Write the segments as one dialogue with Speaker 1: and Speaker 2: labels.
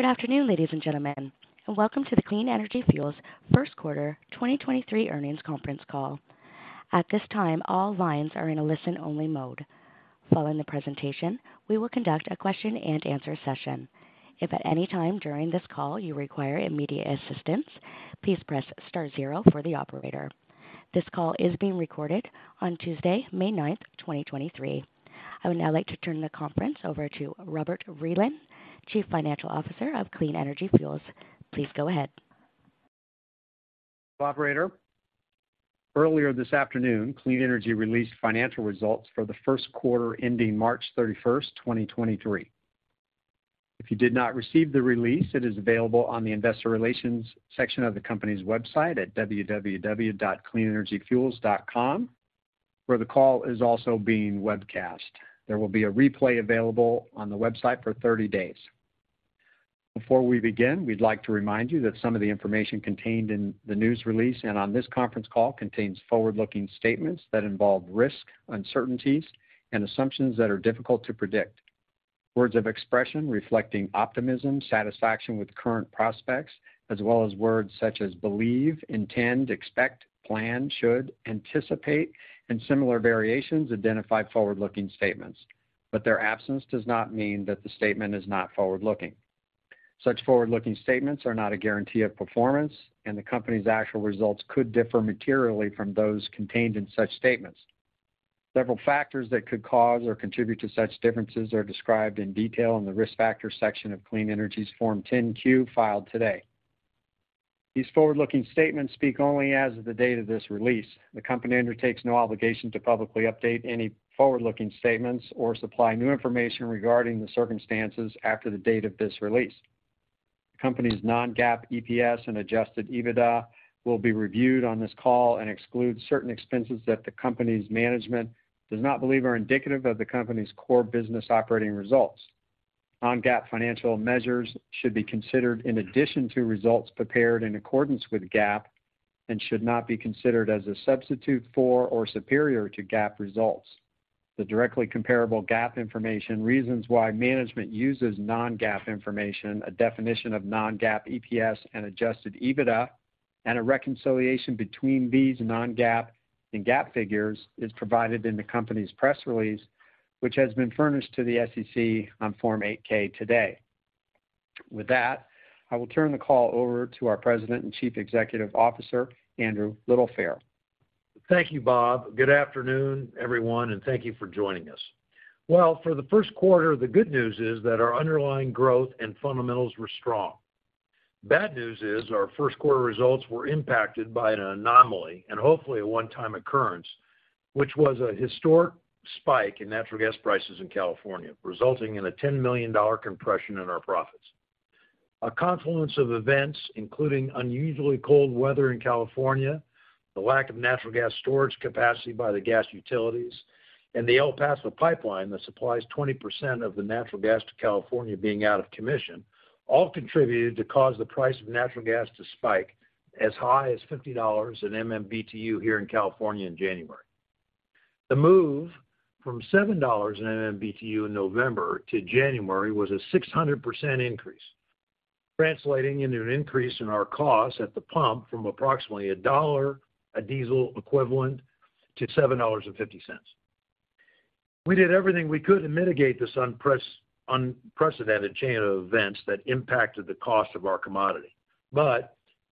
Speaker 1: Good afternoon, ladies and gentlemen, welcome to the Clean Energy Fuels first quarter 2023 earnings conference call. At this time, all lines are in a listen-only mode. Following the presentation, we will conduct a question-and-answer session. If at any time during this call you require immediate assistance, please press star zero for the operator. This call is being recorded on Tuesday, May 9th, 2023. I would now like to turn the conference over to Robert Vreeland, Chief Financial Officer of Clean Energy Fuels. Please go ahead.
Speaker 2: Earlier this afternoon, Clean Energy released financial results for the first quarter ending March 31st, 2023. If you did not receive the release, it is available on the investor relations section of the company's website at www.cleanenergyfuels.com, where the call is also being webcast. There will be a replay available on the website for 30 days. Before we begin, we'd like to remind you that some of the information contained in the news release and on this conference call contains forward-looking statements that involve risk, uncertainties and assumptions that are difficult to predict. Words of expression reflecting optimism, satisfaction with current prospects, as well as words such as believe, intend, expect, plan, should, anticipate, and similar variations identify forward-looking statements, but their absence does not mean that the statement is not forward-looking. Such forward-looking statements are not a guarantee of performance, and the company's actual results could differ materially from those contained in such statements. Several factors that could cause or contribute to such differences are described in detail in the risk factors section of Clean Energy's Form 10-Q filed today. These forward-looking statements speak only as of the date of this release. The company undertakes no obligation to publicly update any forward-looking statements or supply new information regarding the circumstances after the date of this release. The company's non-GAAP EPS and adjusted EBITDA will be reviewed on this call and exclude certain expenses that the company's management does not believe are indicative of the company's core business operating results. Non-GAAP financial measures should be considered in addition to results prepared in accordance with GAAP and should not be considered as a substitute for or superior to GAAP results. The directly comparable GAAP information, reasons why management uses non-GAAP information, a definition of non-GAAP EPS and adjusted EBITDA, and a reconciliation between these non-GAAP and GAAP figures is provided in the company's press release, which has been furnished to the SEC on Form 8-K today. With that, I will turn the call over to our President and Chief Executive Officer, Andrew Littlefair.
Speaker 3: Thank you, Bob. Good afternoon, everyone, thank you for joining us. Well, for the first quarter, the good news is that our underlying growth and fundamentals were strong. Bad news is our first quarter results were impacted by an anomaly and hopefully a one-time occurrence, which was a historic spike in natural gas prices in California, resulting in a $10 million compression in our profits. A confluence of events, including unusually cold weather in California, the lack of natural gas storage capacity by the gas utilities, and the El Paso pipeline that supplies 20% of the natural gas to California being out of commission, all contributed to cause the price of natural gas to spike as high as $50 an MMBtu here in California in January. The move from $7 an MMBtu in November to January was a 600% increase, translating into an increase in our cost at the pump from approximately $1 a diesel equivalent to $7.50. We did everything we could to mitigate this unprecedented chain of events that impacted the cost of our commodity.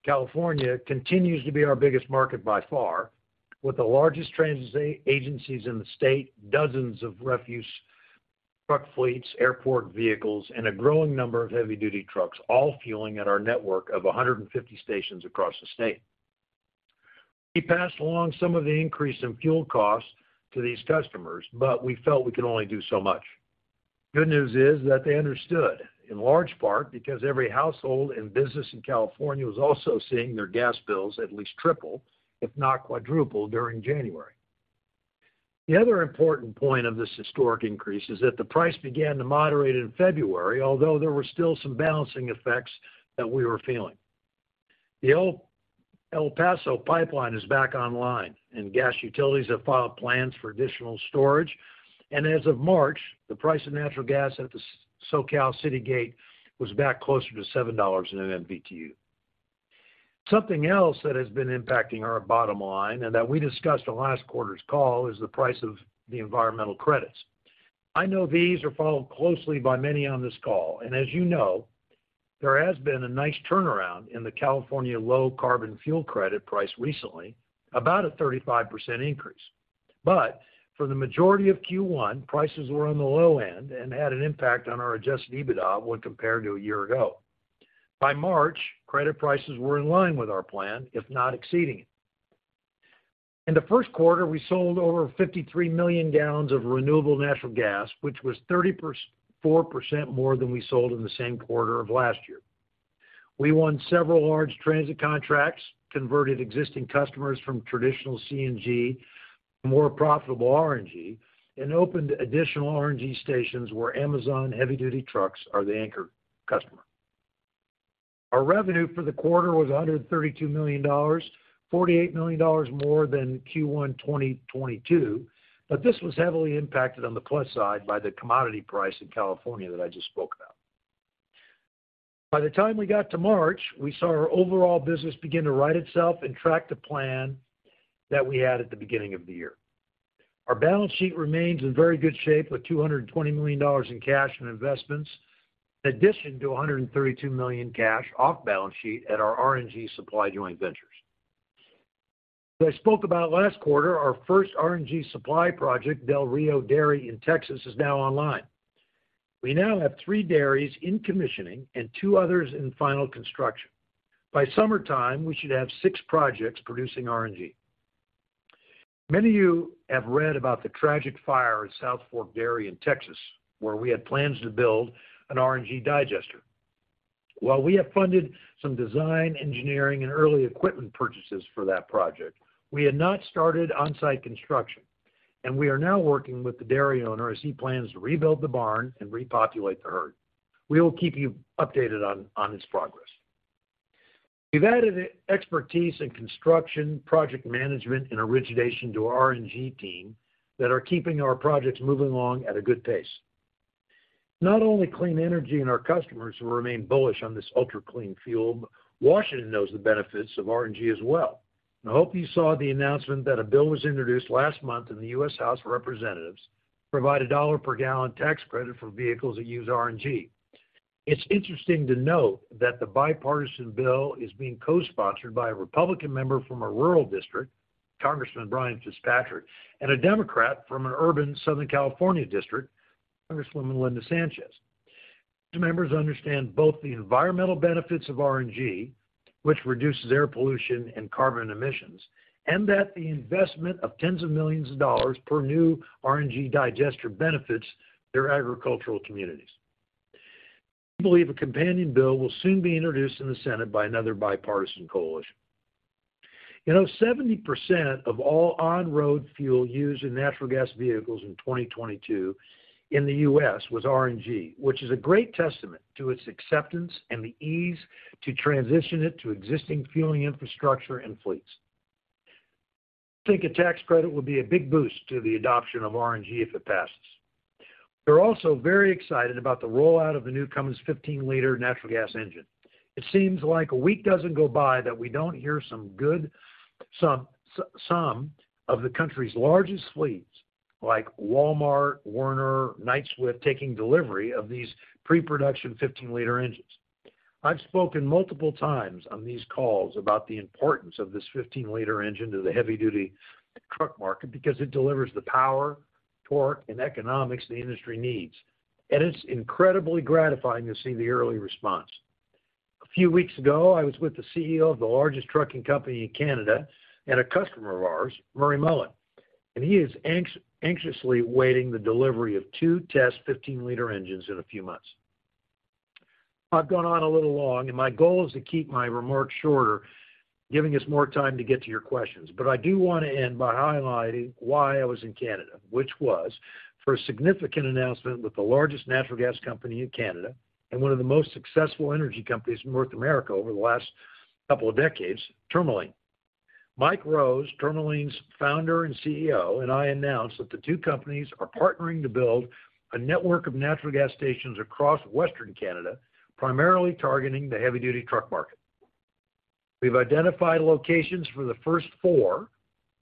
Speaker 3: California continues to be our biggest market by far, with the largest transit agencies in the state, dozens of refuse truck fleets, airport vehicles, and a growing number of heavy-duty trucks all fueling at our network of 150 stations across the state. We passed along some of the increase in fuel costs to these customers, but we felt we could only do so much. Good news is that they understood, in large part because every household and business in California was also seeing their gas bills at least triple, if not quadruple, during January. The other important point of this historic increase is that the price began to moderate in February, although there were still some balancing effects that we were feeling. The El Paso pipeline is back online, and gas utilities have filed plans for additional storage, and as of March, the price of natural gas at the SoCal Citygate was back closer to $7 an MMBtu. Something else that has been impacting our bottom line and that we discussed on last quarter's call is the price of the environmental credits. I know these are followed closely by many on this call, and as you know, there has been a nice turnaround in the California Low Carbon Fuel Credit price recently, about a 35% increase. For the majority of Q1, prices were on the low end and had an impact on our adjusted EBITDA when compared to a year ago. By March, credit prices were in line with our plan, if not exceeding it. In the first quarter, we sold over 53 million gallons of renewable natural gas, which was 34% more than we sold in the same quarter of last year. We won several large transit contracts, converted existing customers from traditional CNG to more profitable RNG, and opened additional RNG stations where Amazon heavy-duty trucks are the anchor customer. Our revenue for the quarter was $132 million, $48 million more than Q1 2022. This was heavily impacted on the plus side by the commodity price in California that I just spoke about. By the time we got to March, we saw our overall business begin to right itself and track the plan that we had at the beginning of the year. Our balance sheet remains in very good shape with $220 million in cash and investments, in addition to $132 million cash off balance sheet at our RNG supply joint ventures. As I spoke about last quarter, our first RNG supply project, Del Rio Dairy in Texas, is now online. We now have three dairies in commissioning and two others in final construction. By summertime, we should have six projects producing RNG. Many of you have read about the tragic fire at South Fork Dairy in Texas, where we had plans to build an RNG digester. While we have funded some design, engineering, and early equipment purchases for that project, we had not started on-site construction. We are now working with the dairy owner as he plans to rebuild the barn and repopulate the herd. We will keep you updated on its progress. We've added expertise in construction, project management, and origination to our RNG team that are keeping our projects moving along at a good pace. Not only Clean Energy and our customers have remained bullish on this ultra-clean fuel, but Washington knows the benefits of RNG as well. I hope you saw the announcement that a bill was introduced last month in the U.S. House of Representatives to provide a $1 per gallon tax credit for vehicles that use RNG. It's interesting to note that the bipartisan bill is being co-sponsored by a Republican member from a rural district, Congressman Brian Fitzpatrick, and a Democrat from an urban Southern California district, Congresswoman Linda Sánchez. These members understand both the environmental benefits of RNG, which reduces air pollution and carbon emissions, and that the investment of tens of millions of dollars per new RNG digester benefits their agricultural communities. We believe a companion bill will soon be introduced in the Senate by another bipartisan coalition. You know, 70% of all on-road fuel used in natural gas vehicles in 2022 in the U.S. was RNG, which is a great testament to its acceptance and the ease to transition it to existing fueling infrastructure and fleets. I think a tax credit would be a big boost to the adoption of RNG if it passes. We're also very excited about the rollout of the new Cummins 15-liter natural gas engine. It seems like a week doesn't go by that we don't hear some good, some of the country's largest fleets, like Walmart, Werner, Knight-Swift, taking delivery of these pre-production 15-liter engines. I've spoken multiple times on these calls about the importance of this 15-liter engine to the heavy-duty truck market because it delivers the power, torque, and economics the industry needs. It's incredibly gratifying to see the early response. A few weeks ago, I was with the CEO of the largest trucking company in Canada and a customer of ours, Murray Mullen, and he is anxiously awaiting the delivery of two test 15-liter engines in a few months. I've gone on a little long, and my goal is to keep my remarks shorter, giving us more time to get to your questions. I do wanna end by highlighting why I was in Canada, which was for a significant announcement with the largest natural gas company in Canada and one of the most successful energy companies in North America over the last couple of decades, Tourmaline. Mike Rose, Tourmaline's Founder and CEO, and I announced that the two companies are partnering to build a network of natural gas stations across western Canada, primarily targeting the heavy duty truck market. We've identified locations for the first four,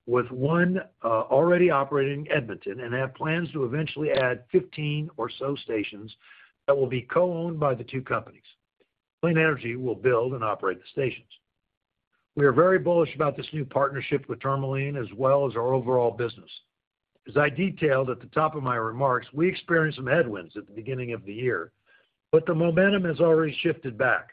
Speaker 3: with one already operating in Edmonton, and have plans to eventually add 15 or so stations that will be co-owned by the two companies. Clean Energy will build and operate the stations. We are very bullish about this new partnership with Tourmaline, as well as our overall business. As I detailed at the top of my remarks, we experienced some headwinds at the beginning of the year, but the momentum has already shifted back.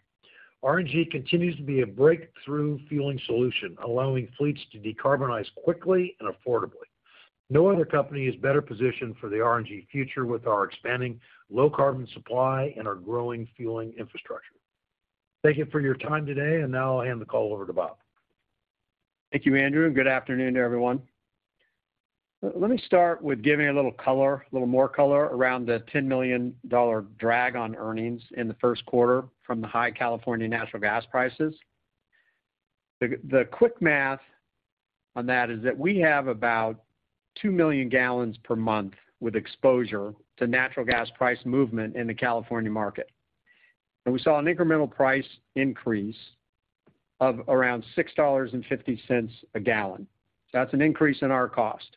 Speaker 3: RNG continues to be a breakthrough fueling solution, allowing fleets to decarbonize quickly and affordably. No other company is better positioned for the RNG future with our expanding low carbon supply and our growing fueling infrastructure. Thank you for your time today, and now I'll hand the call over to Bob.
Speaker 2: Thank you, Andrew. Good afternoon to everyone. Let me start with giving a little color, a little more color, around the $10 million drag on earnings in the first quarter from the high California natural gas prices. The quick math on that is that we have about 2 million gallons per month with exposure to natural gas price movement in the California market. We saw an incremental price increase of around $6.50 a gallon. That's an increase in our cost.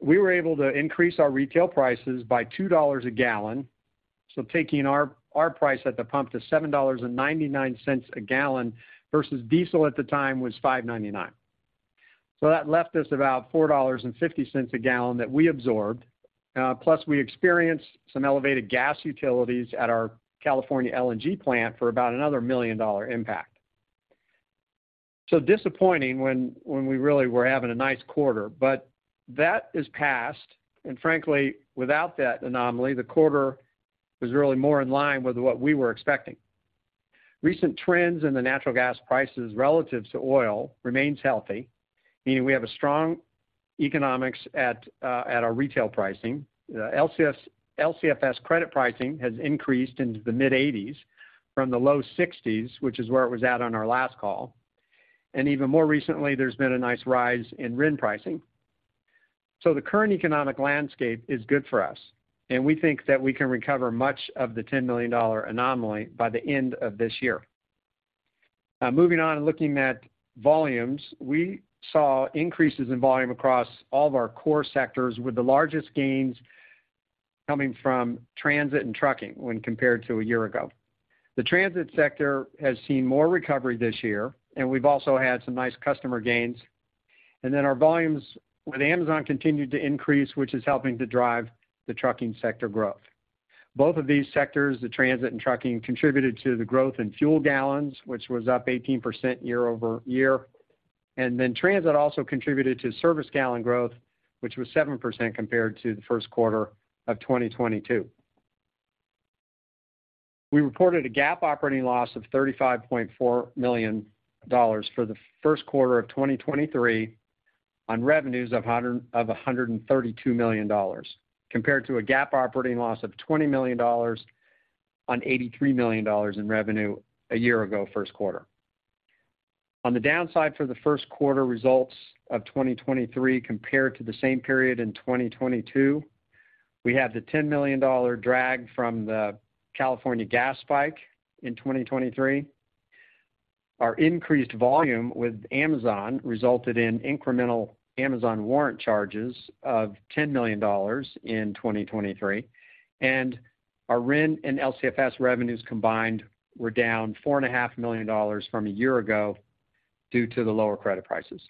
Speaker 2: We were able to increase our retail prices by $2 a gallon, taking our price at the pump to $7.99 a gallon versus diesel at the time was $5.99. That left us about $4.50 a gallon that we absorbed. Plus we experienced some elevated gas utilities at our California LNG plant for about another $1 million impact. Disappointing when we really were having a nice quarter. That is past, and frankly, without that anomaly, the quarter was really more in line with what we were expecting. Recent trends in the natural gas prices relative to oil remains healthy, meaning we have strong economics at our retail pricing. LCFS credit pricing has increased into the mid-80s from the low 60s, which is where it was at on our last call. Even more recently, there's been a nice rise in RIN pricing. The current economic landscape is good for us, and we think that we can recover much of the $10 million anomaly by the end of this year. Moving on and looking at volumes. We saw increases in volume across all of our core sectors, with the largest gains coming from transit and trucking when compared to a year ago. The transit sector has seen more recovery this year, and we've also had some nice customer gains. Our volumes with Amazon continued to increase, which is helping to drive the trucking sector growth. Both of these sectors, the transit and trucking, contributed to the growth in fuel gallons, which was up 18% year-over-year. Transit also contributed to service gallon growth, which was 7% compared to the first quarter of 2022. We reported a GAAP operating loss of $35.4 million for the first quarter of 2023 on revenues of $132 million, compared to a GAAP operating loss of $20 million on $83 million in revenue a year-ago first quarter. On the downside for the first quarter results of 2023 compared to the same period in 2022, we have the $10 million drag from the California gas spike in 2023. Our increased volume with Amazon resulted in incremental Amazon warrant charges of $10 million in 2023, and our RIN and LCFS revenues combined were down $4.5 million from a year ago due to the lower credit prices.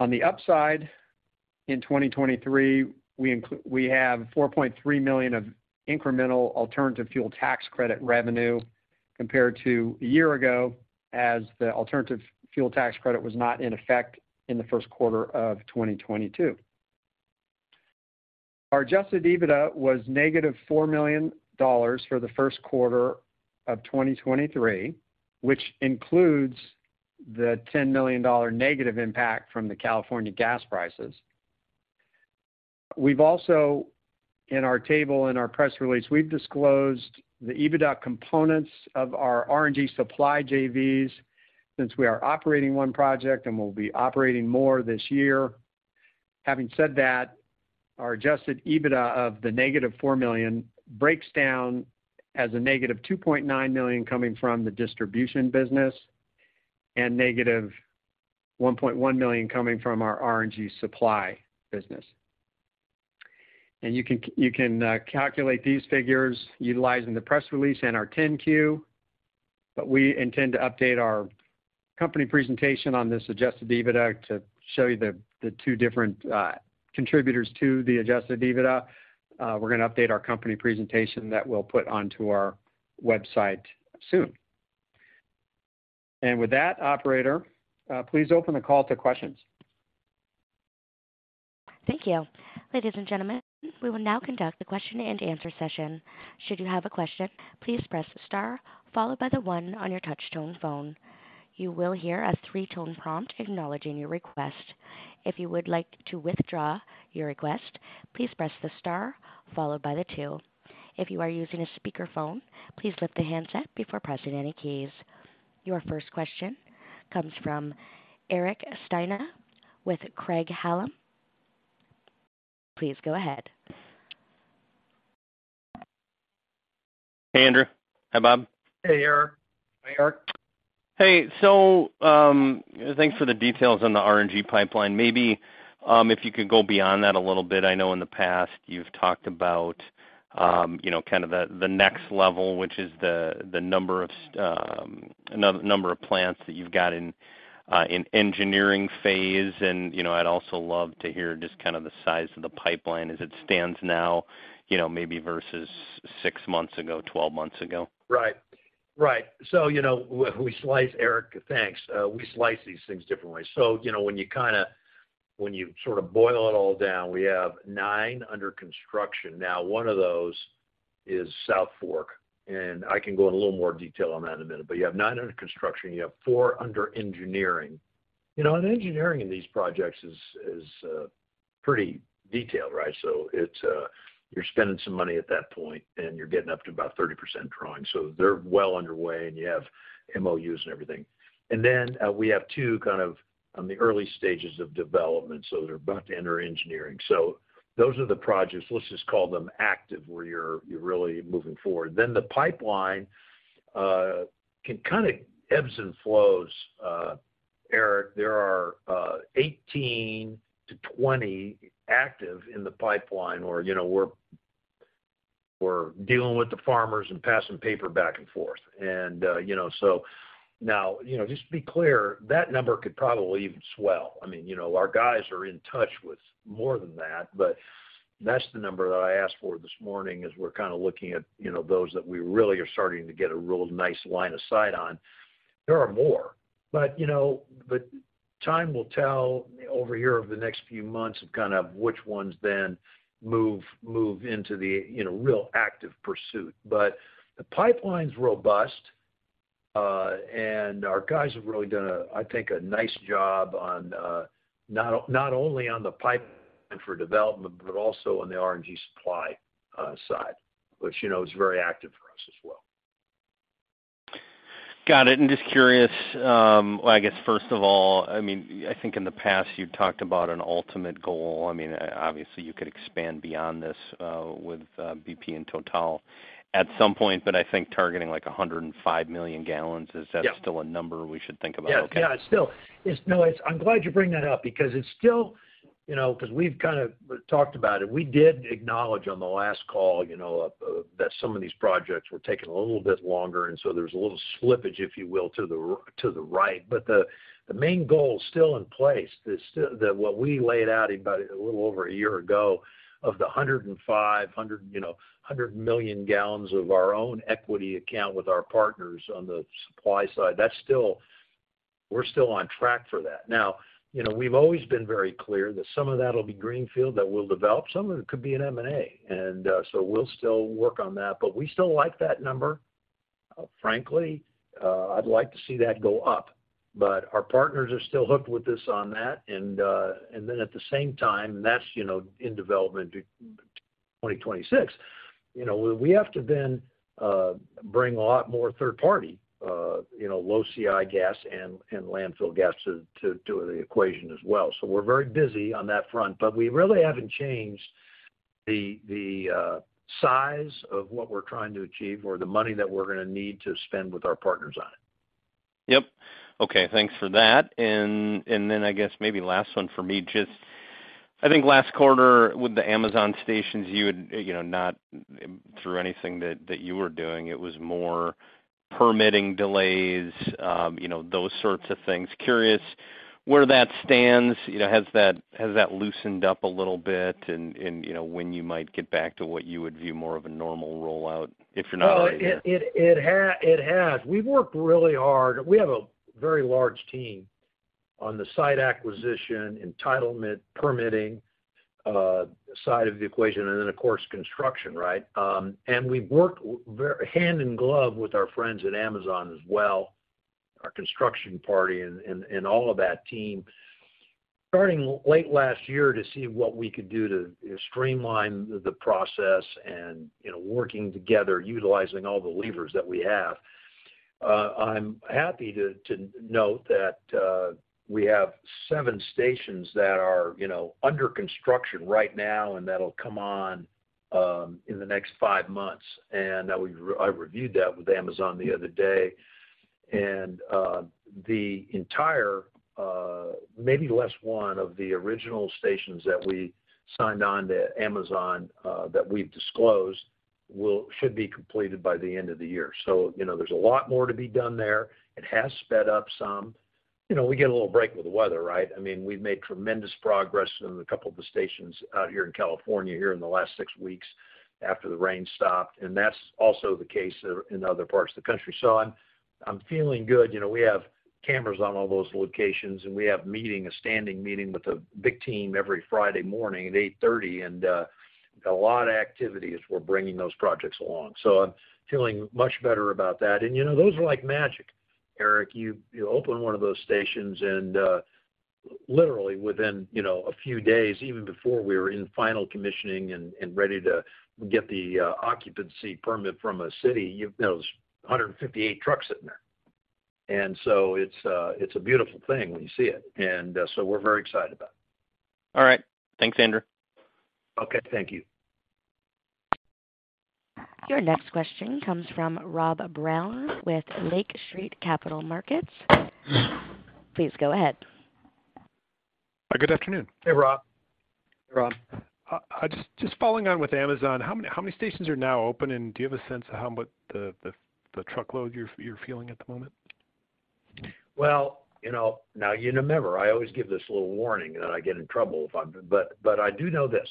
Speaker 2: On the upside, in 2023, we have $4.3 million of incremental alternative fuel tax credit revenue compared to a year ago, as the alternative fuel tax credit was not in effect in the first quarter of 2022. Our adjusted EBITDA was -$4 million for the first quarter of 2023, which includes the $10 million negative impact from the California gas prices. We've also, in our table in our press release, we've disclosed the EBITDA components of our RNG supply JVs since we are operating one project and we'll be operating more this year. Having said that, our adjusted EBITDA of the -$4 million breaks down as a -$2.9 million coming from the distribution business and -$1.1 million coming from our RNG supply business. You can calculate these figures utilizing the press release and our Form 10-Q, but we intend to update our company presentation on this adjusted EBITDA to show you the two different contributors to the adjusted EBITDA. We're gonna update our company presentation that we'll put onto our website soon. With that, Operator, please open the call to questions.
Speaker 1: Thank you. Ladies and gentlemen, we will now conduct the question and answer session. Should you have a question, please press star followed by the one on your touch-tone phone. You will hear a three-tone prompt acknowledging your request. If you would like to withdraw your request, please press the star followed by the two. If you are using a speakerphone, please lift the handset before pressing any keys. Your first question comes from Eric Stine with Craig-Hallum. Please go ahead.
Speaker 4: Hey, Andrew. Hi, Bob.
Speaker 2: Hey, Eric.
Speaker 3: Hey, Eric.
Speaker 4: Hey. Thanks for the details on the RNG pipeline. Maybe, if you could go beyond that a little bit. I know in the past you've talked about, you know, kind of the next level, which is the number of plants that you've got in engineering phase. You know, I'd also love to hear just kind of the size of the pipeline as it stands now, you know, maybe versus six months ago, 12 months ago.
Speaker 3: Right. Right. You know, we slice, Eric Stine, thanks. We slice these things differently. You know, when you sorta boil it all down, we have nine under construction. One of those is South Fork, and I can go in a little more detail on that in a minute. You have nine under construction. You have four under engineering. You know, engineering in these projects is pretty detailed, right? It's, you're spending some money at that point, and you're getting up to about 30% drawing. They're well underway, and you have MOUs and everything. We have two kind of on the early stages of development, so they're about to enter engineering. Those are the projects, let's just call them active, where you're really moving forward. The pipeline can kind of ebbs and flows, Eric. There are 18-20 active in the pipeline where, you know, we're dealing with the farmers and passing paper back and forth. You know, now, you know, just to be clear, that number could probably even swell. I mean, you know, our guys are in touch with more than that, but that's the number that I asked for this morning as we're kind of looking at, you know, those that we really are starting to get a real nice line of sight on. There are more, you know, time will tell over here over the next few months of kind of which ones then move into the, you know, real active pursuit. The pipeline's robust. Our guys have really done a nice job on not only on the pipe and for development, but also on the RNG supply side, which, you know, is very active for us as well.
Speaker 4: Got it. Just curious, well, I guess, first of all, I mean, I think in the past, you talked about an ultimate goal. I mean, obviously, you could expand beyond this, with BP and TotalEnergies at some point, but I think targeting, like, 105 million gallons.
Speaker 3: Yeah.
Speaker 4: Is that still a number we should think about?
Speaker 3: Yes. Yeah. I'm glad you bring that up because it's still, you know. 'Cause we've kind of talked about it. We did acknowledge on the last call, you know, that some of these projects were taking a little bit longer, there's a little slippage, if you will, to the right. The main goal is still in place. That what we laid out about a little over a year ago of the 100 million gallons of our own equity account with our partners on the supply side, we're still on track for that. You know, we've always been very clear that some of that'll be greenfield, that we'll develop. Some of it could be an M&A. We'll still work on that, but we still like that number. Frankly, I'd like to see that go up. Our partners are still hooked with us on that and then at the same time, and that's, you know, in development to 2026. You know, we have to then bring a lot more third-party, you know, low CI gas and landfill gas to the equation as well. We're very busy on that front, but we really haven't changed the size of what we're trying to achieve or the money that we're gonna need to spend with our partners on it.
Speaker 4: Yep. Okay. Thanks for that. Then I guess maybe last one for me, just. I think last quarter with the Amazon stations, you had, you know, not through anything that you were doing, it was more permitting delays, you know, those sorts of things. Curious where that stands, you know, has that loosened up a little bit and, you know, when you might get back to what you would view more of a normal rollout, if you're not already there.
Speaker 3: It has. We've worked really hard. We have a very large team on the site acquisition, entitlement, permitting, side of the equation, of course, construction, right? We've worked hand in glove with our friends at Amazon as well, our construction party and all of that team starting late last year to see what we could do to streamline the process, you know, working together, utilizing all the levers that we have. I'm happy to note that we have seven stations that are, you know, under construction right now that'll come on in the next five months. Now I reviewed that with Amazon the other day. The entire, maybe less one of the original stations that we signed on to Amazon, that we've disclosed should be completed by the end of the year. You know, there's a lot more to be done there. It has sped up some. You know, we get a little break with the weather, right? I mean, we've made tremendous progress in a couple of the stations out here in California here in the last six weeks after the rain stopped, and that's also the case in other parts of the country. I'm feeling good. You know, we have cameras on all those locations, and we have meeting, a standing meeting with a big team every Friday morning at 8:30 A.M., a lot of activity as we're bringing those projects along. I'm feeling much better about that. You know, those are like magic, Eric. You, you open one of those stations and, literally within, you know, a few days, even before we were in final commissioning and ready to get the, occupancy permit from a city, there was 158 trucks sitting there. It's a, it's a beautiful thing when you see it. So we're very excited about it.
Speaker 4: All right. Thanks, Andrew.
Speaker 3: Okay, thank you.
Speaker 1: Your next question comes from Rob Brown with Lake Street Capital Markets. Please go ahead.
Speaker 5: Good afternoon.
Speaker 3: Hey, Rob.
Speaker 4: Hey, Rob.
Speaker 5: Just following on with Amazon, how many stations are now open, and do you have a sense of how much the truckload you're feeling at the moment?
Speaker 3: Well, you know, now you remember, I always give this little warning that I get in trouble. But I do know this,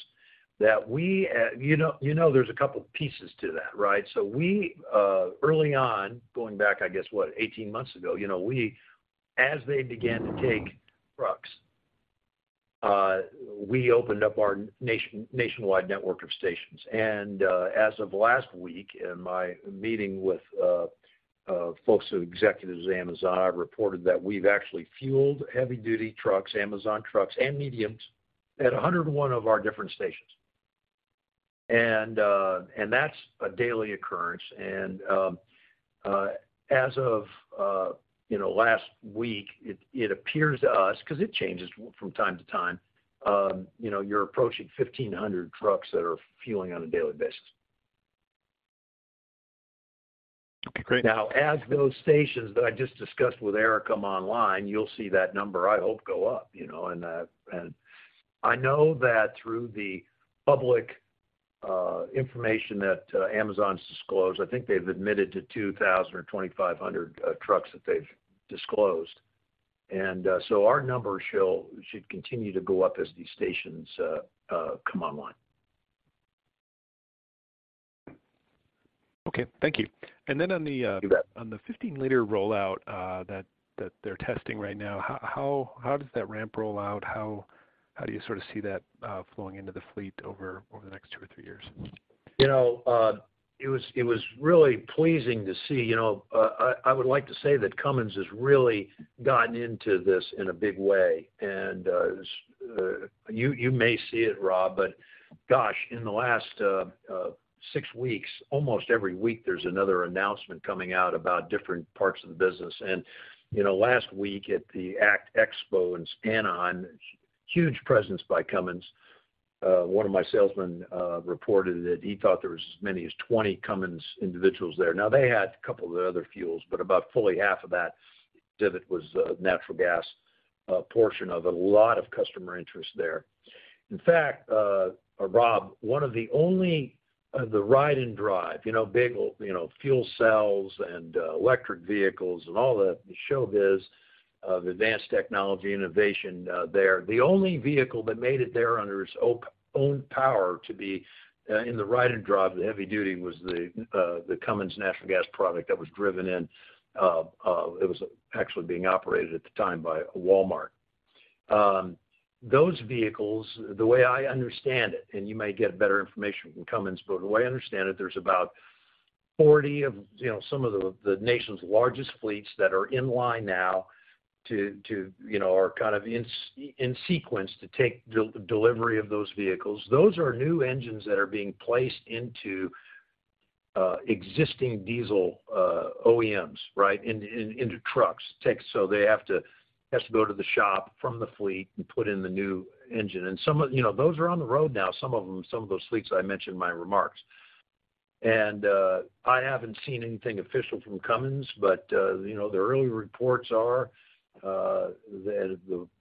Speaker 3: that we, you know, there's a couple pieces to that, right? We, early on, going back, I guess, what, 18 months ago, you know, we, as they began to take trucks, we opened up our nationwide network of stations. As of last week, in my meeting with executives at Amazon, I reported that we've actually fueled heavy duty trucks, Amazon trucks and mediums at 101 of our different stations. That's a daily occurrence. As of, you know, last week, it appears to us, 'cause it changes from time to time, you know, you're approaching 1,500 trucks that are fueling on a daily basis.
Speaker 5: Okay, great.
Speaker 3: As those stations that I just discussed with Eric come online, you'll see that number, I hope, go up, you know. I know that through the public information that Amazon's disclosed, I think they've admitted to 2,000 or 2,500 trucks that they've disclosed. Our numbers should continue to go up as these stations come online.
Speaker 5: Okay, thank you.
Speaker 3: You bet.
Speaker 5: On the 15-liter rollout, that they're testing right now, how does that ramp rollout? How do you sort of see that flowing into the fleet over the next two or three years?
Speaker 3: You know, it was really pleasing to see. You know, I would like to say that Cummins has really gotten into this in a big way. You may see it, Rob, but gosh, in the last six weeks, almost every week there's another announcement coming out about different parts of the business. You know, last week at the ACT Expo in Anaheim on huge presence by Cummins, one of my salesmen reported that he thought there was as many as 20 Cummins individuals there. Now, they had a couple of the other fuels, but about fully half of that divot was natural gas portion of it. A lot of customer interest there. In fact, Rob, one of the only... The ride and drive, you know, big fuel cells and electric vehicles and all the showbiz of advanced technology innovation there, the only vehicle that made it there under its own power to be in the ride and drive, the heavy duty was the Cummins natural gas product that was driven in. It was actually being operated at the time by Walmart. Those vehicles, the way I understand it, and you may get better information from Cummins, but the way I understand it, there's about 40 of some of the nation's largest fleets that are in line now to are kind of in sequence to take delivery of those vehicles. Those are new engines that are being placed into existing diesel OEMs, right? Into trucks. They have to go to the shop from the fleet and put in the new engine. You know, those are on the road now, some of them, some of those fleets I mentioned in my remarks. I haven't seen anything official from Cummins, but, you know, the early reports are,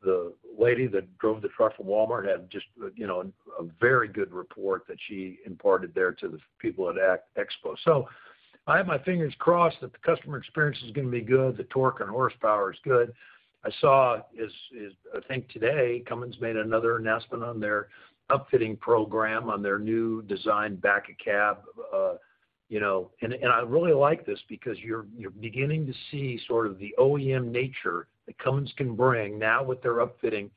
Speaker 3: the lady that drove the truck from Walmart had just, you know, a very good report that she imparted there to the people at ACT Expo. I have my fingers crossed that the customer experience is gonna be good. The torque and horsepower is good. I saw I think today Cummins made another announcement on their upfitting program on their new design back of cab, you know. I really like this because you're beginning to see sort of the OEM nature that Cummins can bring now with their upfitting,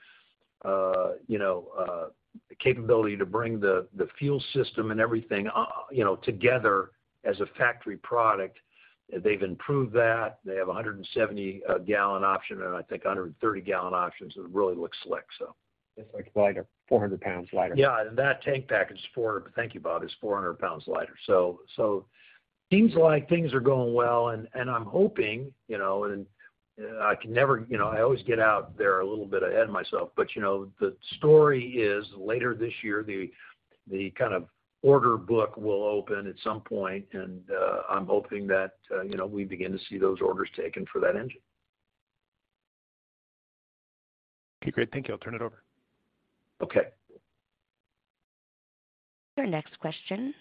Speaker 3: you know, capability to bring the fuel system and everything, you know, together as a factory product. They've improved that. They have a 170 gallon option and I think 130 gallon options. It really looks slick.
Speaker 2: It's like lighter, 400 lbs lighter.
Speaker 3: Yeah. That tank package is, thank you, Bob, 400 lbs lighter. Seems like things are going well and I'm hoping, you know, I always get out there a little bit ahead of myself. You know, the story is later this year, the kind of order book will open at some point. I'm hoping that, you know, we begin to see those orders taken for that engine.
Speaker 5: Okay, great. Thank you. I'll turn it over.
Speaker 3: Okay.
Speaker 1: Your next question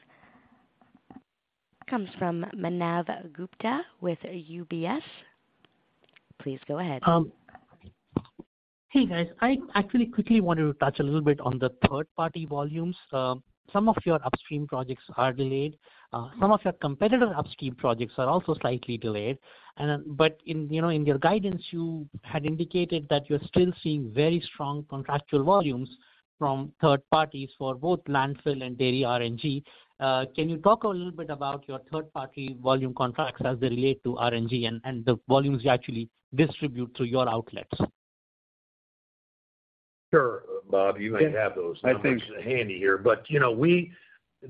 Speaker 1: comes from Manav Gupta with UBS. Please go ahead.
Speaker 6: Hey, guys. I actually quickly wanted to touch a little bit on the third-party volumes. Some of your upstream projects are delayed. Some of your competitor upstream projects are also slightly delayed. In, you know, in your guidance, you had indicated that you're still seeing very strong contractual volumes from third parties for both landfill and dairy RNG. Can you talk a little bit about your third-party volume contracts as they relate to RNG and the volumes you actually distribute through your outlets?
Speaker 3: Sure. Bob, you might have those numbers.
Speaker 2: I think-
Speaker 3: handy here. You know,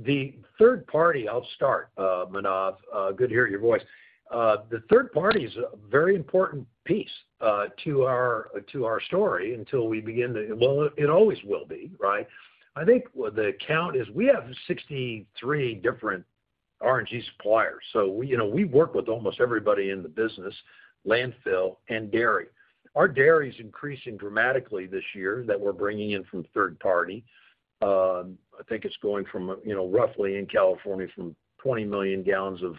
Speaker 3: the third party... I'll start, Manav. Good to hear your voice. The third party is a very important piece to our story until we begin to... Well, it always will be, right? I think what the count is, we have 63 different RNG suppliers. We, you know, we work with almost everybody in the business, landfill and dairy. Our dairy is increasing dramatically this year that we're bringing in from third party. I think it's going from, you know, roughly in California from 20 million gallons of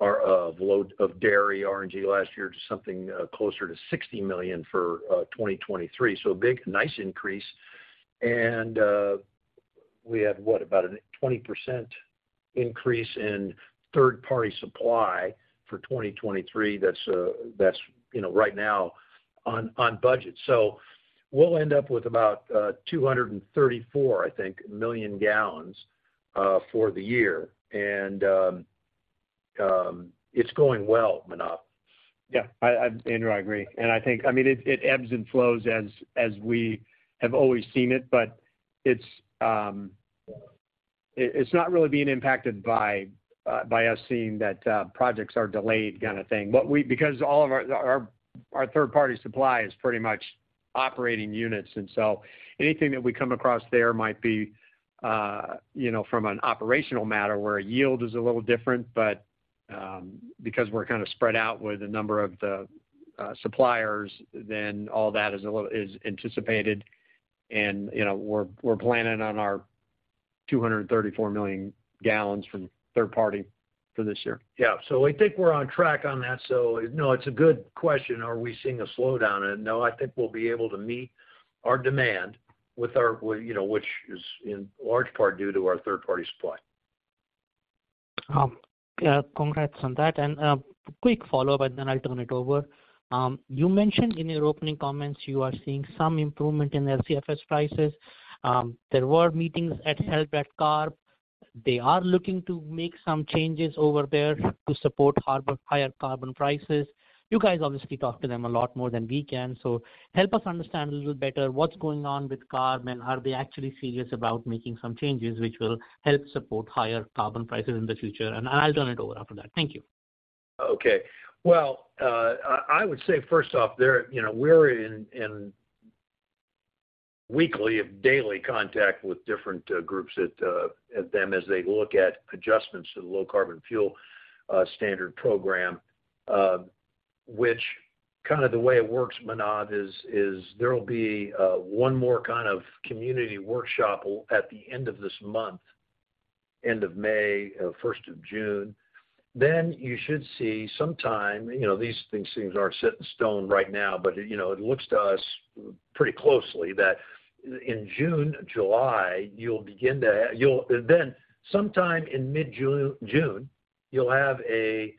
Speaker 3: our load of dairy RNG last year to something closer to 60 million for 2023. Big, nice increase. We have, what? About a 20% increase in third-party supply for 2023. That's, you know, right now on budget. We'll end up with about 234, I think, million gallons for the year. It's going well, Manav.
Speaker 2: Yeah. I Andrew, I agree. I think I mean, it ebbs and flows as we have always seen it, but it's not really being impacted by us seeing that projects are delayed kind of thing. Because all of our third-party supply is pretty much operating units. Anything that we come across there might be, you know, from an operational matter where yield is a little different. Because we're kind of spread out with a number of the suppliers, then all that is anticipated. You know, we're planning on our 234 million gallons from third party for this year.
Speaker 3: Yeah. I think we're on track on that. No, it's a good question. Are we seeing a slowdown? No, I think we'll be able to meet our demand with our, you know, which is in large part due to our third-party supply.
Speaker 6: Yeah, congrats on that. Quick follow-up, and then I'll turn it over. You mentioned in your opening comments you are seeing some improvement in LCFS prices. There were meetings at Health at CARB. They are looking to make some changes over there to support higher carbon prices. You guys obviously talk to them a lot more than we can, so help us understand a little better what's going on with CARB, and are they actually serious about making some changes which will help support higher carbon prices in the future? I'll turn it over after that. Thank you.
Speaker 3: Okay. Well, I would say first off there, you know, we're in weekly, if daily contact with different groups at them as they look at adjustments to the Low Carbon Fuel Standard Program. Which kind of the way it works, Manav, is there will be one more kind of community workshop at the end of this month, end of May, 1st of June. You should see sometime. You know, these things aren't set in stone right now, but, you know, it looks to us pretty closely that in June, July, you'll begin to then sometime in mid-June, you'll have a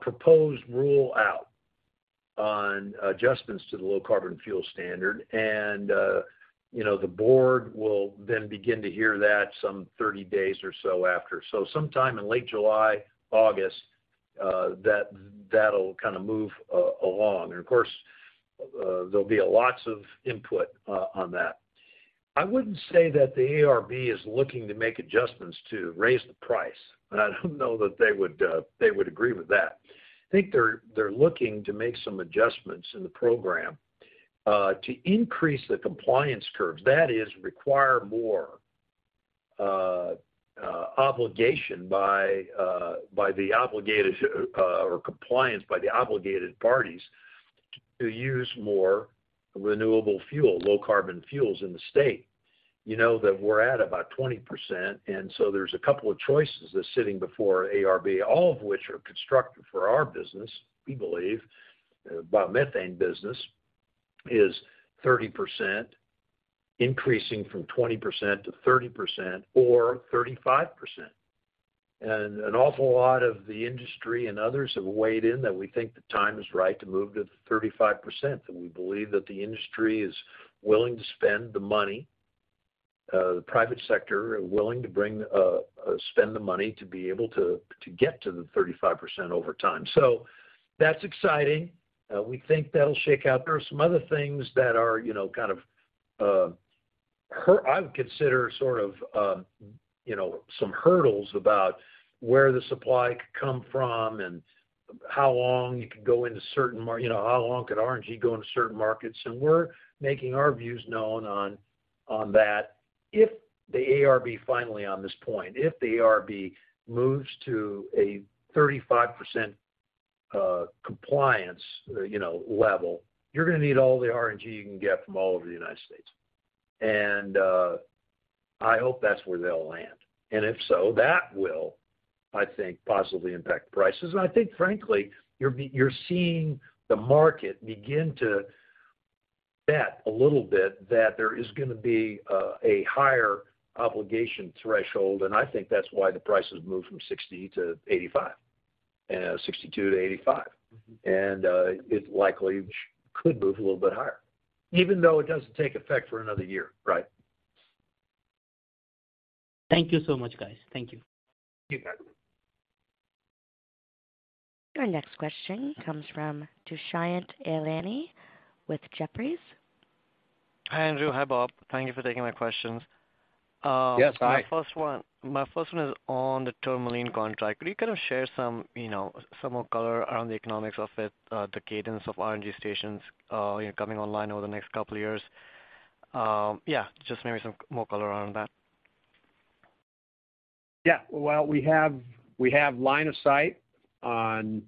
Speaker 3: proposed rule out on adjustments to the Low Carbon Fuel Standard. You know, the board will then begin to hear that some 30 days or so after. Sometime in late July, August, that'll kinda move along. Of course, there'll be a lots of input on that. I wouldn't say that the ARB is looking to make adjustments to raise the price. I don't know that they would, they would agree with that. I think they're looking to make some adjustments in the program to increase the compliance curves. That is, require more obligation by the obligated, or compliance by the obligated parties to use more renewable fuel, low carbon fuels in the state. You know that we're at about 20%, there's a couple of choices that's sitting before ARB, all of which are constructive for our business, we believe. Biomethane business is 30%, increasing from 20% to 30% or 35%. An awful lot of the industry and others have weighed in that we think the time is right to move to the 35%. We believe that the industry is willing to spend the money, the private sector are willing to spend the money to be able to get to the 35% over time. That's exciting. We think that'll shake out. There are some other things that are, you know, kind of, I would consider sort of, you know, some hurdles about where the supply could come from and how long you could go into certain, you know, how long could RNG go into certain markets. We're making our views known on that. If the ARB finally, on this point, if the ARB moves to a 35% compliance, you know, level, you're gonna need all the RNG you can get from all over the United States. I hope that's where they'll land. If so, that will, I think, positively impact prices. I think frankly, you're seeing the market begin to bet a little bit that there is gonna be a higher obligation threshold, and I think that's why the prices moved from $60-$85, $62-$85.
Speaker 6: Mm-hmm.
Speaker 3: It likely could move a little bit higher. Even though it doesn't take effect for another year, right.
Speaker 6: Thank you so much, guys. Thank you.
Speaker 3: Thank you.
Speaker 1: Our next question comes from Dushyant Ailani with Jefferies.
Speaker 7: Hi, Andrew. Hi, Bob. Thank you for taking my questions.
Speaker 3: Yes. Hi.
Speaker 7: My first one is on the Tourmaline contract. Could you kind of share some, you know, some more color around the economics of it, the cadence of RNG stations, you know, coming online over the next couple of years, yeah, just maybe some more color around that?
Speaker 3: Yeah. Well, we have line of sight on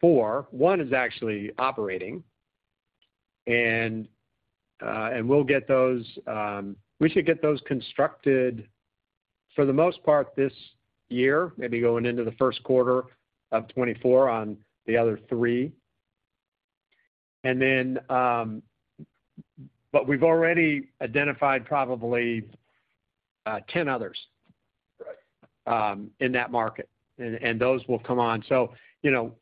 Speaker 3: four. One is actually operating. We'll get those, we should get those constructed for the most part this year, maybe going into the first quarter of 2024 on the other three. We've already identified probably 10 others-
Speaker 7: Right
Speaker 3: in that market, and those will come on. you know,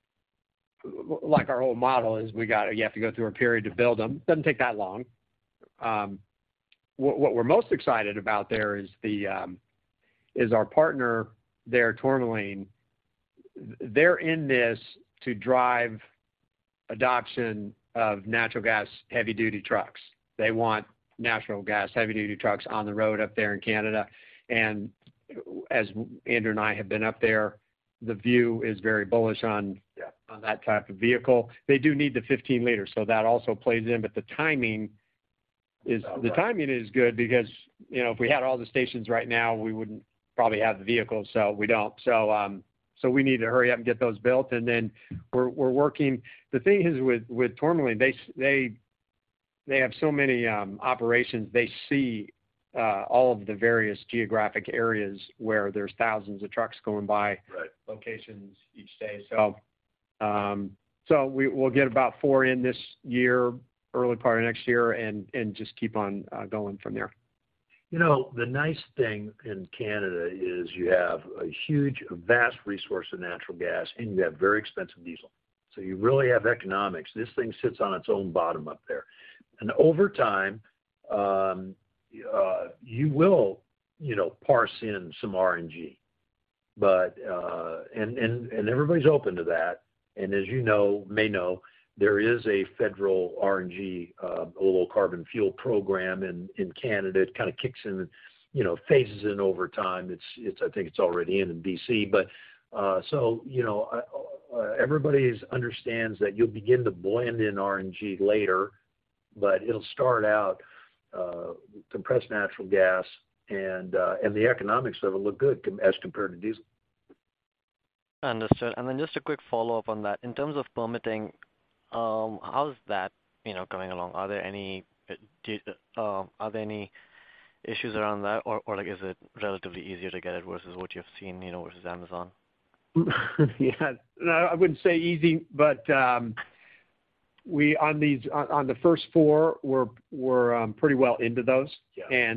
Speaker 3: like our whole model is you have to go through a period to build them. Doesn't take that long. what we're most excited about there is our partner there, Tourmaline, they're in this to drive adoption of natural gas heavy-duty trucks. They want natural gas heavy-duty trucks on the road up there in Canada. As Andrew and I have been up there, the view is very bullish on-
Speaker 7: Yeah
Speaker 3: on that type of vehicle. They do need the 15-liter, so that also plays in. The timing is-
Speaker 7: Right
Speaker 3: ...the timing is good because, you know, if we had all the stations right now, we wouldn't probably have the vehicles, so we don't. We need to hurry up and get those built, and then we're working. The thing is with Tourmaline, they have so many operations. They see all of the various geographic areas where there's thousands of trucks going by.
Speaker 7: Right
Speaker 3: locations each day. We'll get about four in this year, early part of next year, and just keep on going from there. You know, the nice thing in Canada is you have a huge, vast resource of natural gas, and you have very expensive diesel. You really have economics. This thing sits on its own bottom up there. Over time, you will, you know, parse in some RNG. Everybody's open to that. As you know, may know, there is a federal RNG low carbon fuel program in Canada. It kind of kicks in, you know, phases in over time. I think it's already in BC. You know, everybody understands that you'll begin to blend in RNG later, but it'll start out, compressed natural gas and the economics of it look good as compared to diesel.
Speaker 7: Understood. Just a quick follow-up on that. In terms of permitting, how's that, you know, coming along? Are there any issues around that? Like, is it relatively easier to get it versus what you've seen, you know, versus Amazon?
Speaker 2: Yes. No, I wouldn't say easy, but we on the first four, we're pretty well into those.
Speaker 3: Yeah.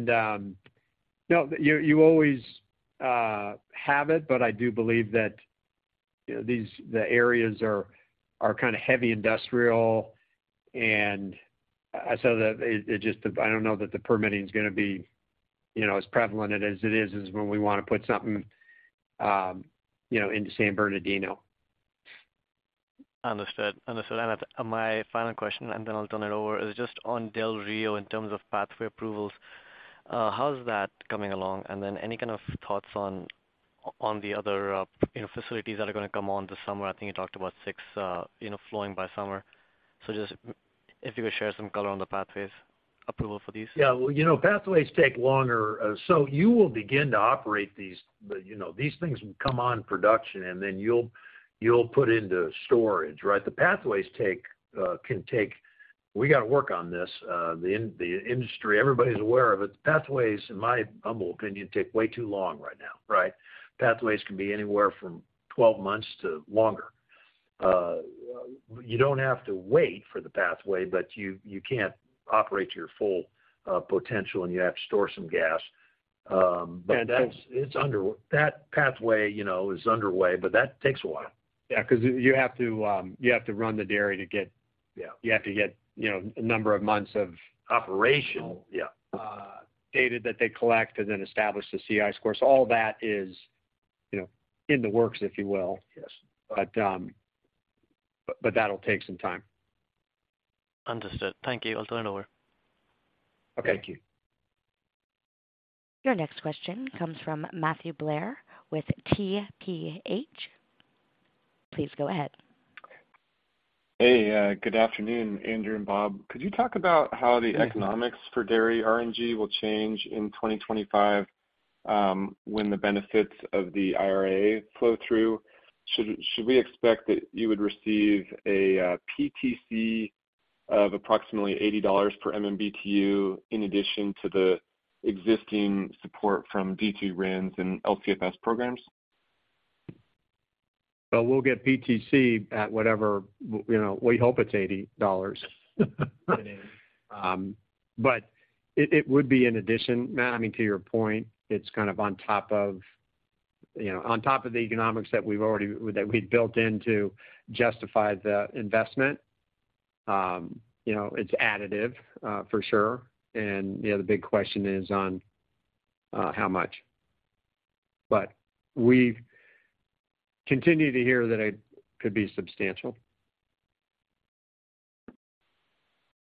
Speaker 2: No, you always have it, but I do believe that, you know, the areas are kind of heavy industrial. I don't know that the permitting is gonna be, you know, as prevalent as it is when we wanna put something, you know, into San Bernardino.
Speaker 7: Understood. Understood. My final question, and then I'll turn it over, is just on Del Rio in terms of pathway approvals. How's that coming along? Then any kind of thoughts on the other, you know, facilities that are gonna come on this summer? I think you talked about six, you know, flowing by summer. Just if you could share some color on the pathways approval for these.
Speaker 3: Well, you know, pathways take longer. You will begin to operate these. You know, these things come on production, and then you'll put into storage, right? The pathways take, can take... We gotta work on this. The industry, everybody's aware of it. The pathways, in my humble opinion, take way too long right now, right? Pathways can be anywhere from 12 months to longer. You don't have to wait for the pathway, but you can't operate to your full potential, and you have to store some gas. That's.
Speaker 2: then-
Speaker 3: That pathway, you know, is underway, but that takes a while.
Speaker 2: Yeah, 'cause you have to, you have to run the dairy.
Speaker 3: Yeah.
Speaker 2: You have to get, you know, a number of months of operation.
Speaker 3: Yeah
Speaker 2: Data that they collect, and then establish the CI scores. All that is, you know, in the works, if you will.
Speaker 3: Yes.
Speaker 2: That'll take some time.
Speaker 7: Understood. Thank you. I'll turn it over.
Speaker 2: Okay.
Speaker 3: Thank you.
Speaker 1: Your next question comes from Matthew Blair with TPH. Please go ahead.
Speaker 8: Hey. Good afternoon, Andrew and Bob. Could you talk about how the economics for dairy RNG will change in 2025 when the benefits of the IRA flow through? Should we expect that you would receive a PTC of approximately $80 per MMBtu in addition to the existing support from D3 RINs and LCFS programs?
Speaker 2: We'll get PTC at whatever, you know. We hope it's $80.
Speaker 3: It is.
Speaker 2: It, it would be an addition. Matt, I mean, to your point, it's kind of on top of, you know, on top of the economics that we'd built in to justify the investment. You know, it's additive, for sure. You know, the big question is on, how much. We continue to hear that it could be substantial.
Speaker 3: Yeah.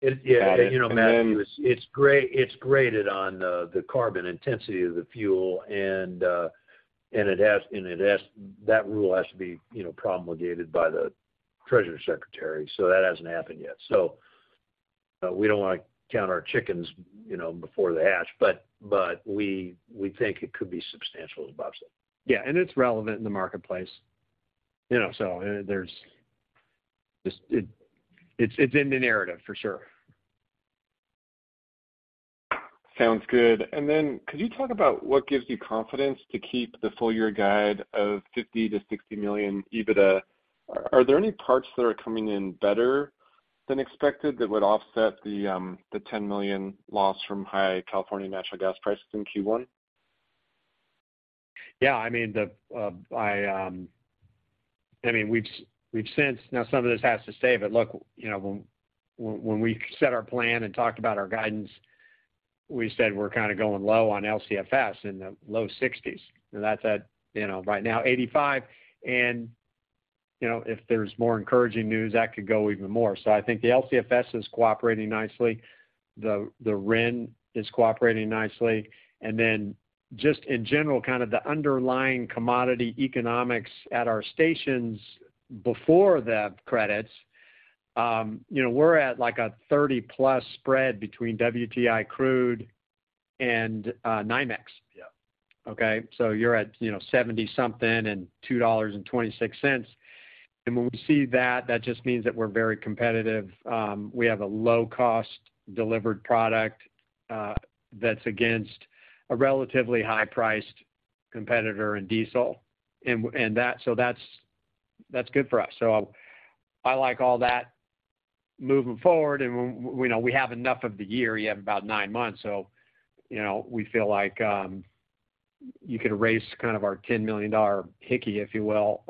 Speaker 3: You know, Matthew.
Speaker 2: And then-
Speaker 3: It's graded on the carbon intensity of the fuel, and that rule has to be, you know, promulgated by the treasury secretary. That hasn't happened yet. We don't wanna count our chickens, you know, before they hatch, but we think it could be substantial, as Bob said.
Speaker 2: Yeah. It's relevant in the marketplace, you know. It's in the narrative for sure.
Speaker 8: Sounds good. Could you talk about what gives you confidence to keep the full year guide of $50 million-$60 million EBITDA? Are there any parts that are coming in better than expected that would offset the $10 million loss from high California natural gas prices in Q1?
Speaker 2: Yeah. I mean, the I mean, we've since. Now some of this has to save it. Look, you know, when we set our plan and talked about our guidance, we said we're kinda going low on LCFS in the low 60s. That's at, you know, right now 85. You know, if there's more encouraging news, that could go even more. I think the LCFS is cooperating nicely. The RIN is cooperating nicely. Just in general, kind of the underlying commodity economics at our stations before the credits, you know, we're at, like, a 30+ spread between WTI crude and NYMEX.
Speaker 3: Yeah.
Speaker 2: Okay? You're at, you know, 70 something and $2.26. When we see that just means that we're very competitive. We have a low cost delivered product that's against a relatively high priced competitor in diesel. That's good for us. I like all that. Moving forward, we know we have enough of the year, you have about nine months, you know, we feel like you could raise kind of our $10 million hickey, if you will,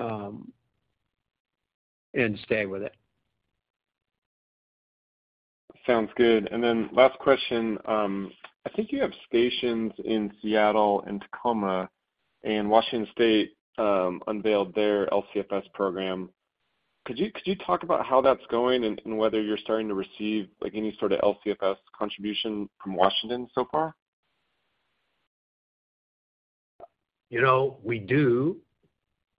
Speaker 2: and stay with it.
Speaker 8: Sounds good. Last question. I think you have stations in Seattle and Tacoma, Washington State unveiled their LCFS program. Could you talk about how that's going and whether you're starting to receive like any sort of LCFS contribution from Washington so far?
Speaker 3: You know, we do.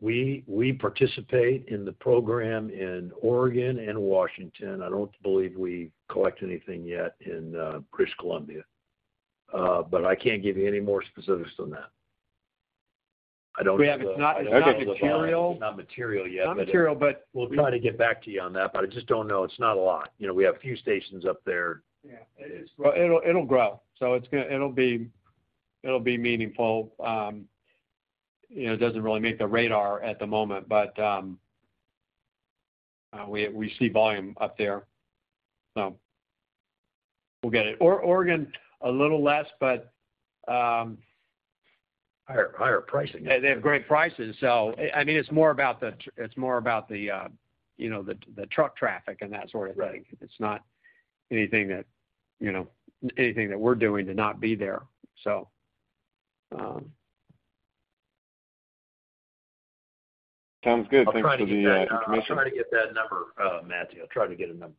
Speaker 3: We, we participate in the program in Oregon and Washington. I don't believe we've collected anything yet in British Columbia. I can't give you any more specifics than that.
Speaker 2: It's not material.
Speaker 3: It's not material yet.
Speaker 2: Not material.
Speaker 3: We'll try to get back to you on that, but I just don't know. It's not a lot. You know, we have a few stations up there.
Speaker 2: Yeah. It is. Well, it'll grow. It'll be meaningful. you know, it doesn't really make the radar at the moment, but, we see volume up there. We'll get it. Oregon, a little less, but.
Speaker 3: Higher, higher pricing.
Speaker 2: They have great prices. I mean, it's more about the, you know, the truck traffic and that sort of thing.
Speaker 3: Right.
Speaker 2: It's not anything that, you know, anything that we're doing to not be there, so.
Speaker 8: Sounds good. Thanks for the information.
Speaker 2: I'll try to get that. I'll try to get that number, Matthew. I'll try to get a number.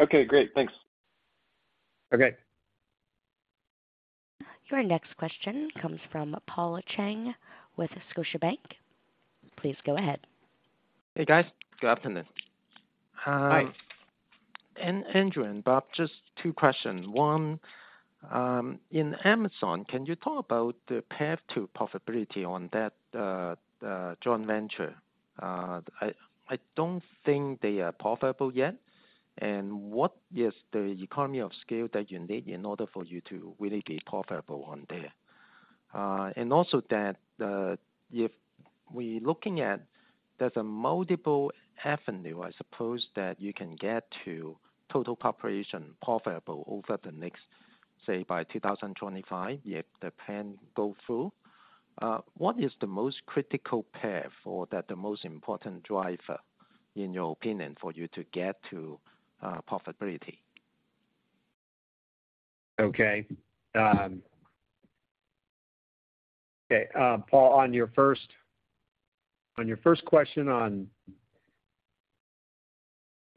Speaker 8: Okay, great. Thanks.
Speaker 2: Okay.
Speaker 1: Your next question comes from Paul Cheng with Scotiabank. Please go ahead.
Speaker 9: Hey, guys. Good afternoon.
Speaker 2: Hi.
Speaker 9: Andrew and Bob, just two questions. One, in Amazon, can you talk about the path to profitability on that joint venture? I don't think they are profitable yet, and what is the economy of scale that you need in order for you to really get profitable on there? If we looking at there's a multiple avenue, I suppose, that you can get to total population profitable over the next, say, by 2025, if the plan go through. What is the most critical path or the most important driver, in your opinion, for you to get to profitability?
Speaker 2: Okay. Okay, Paul, on your first question on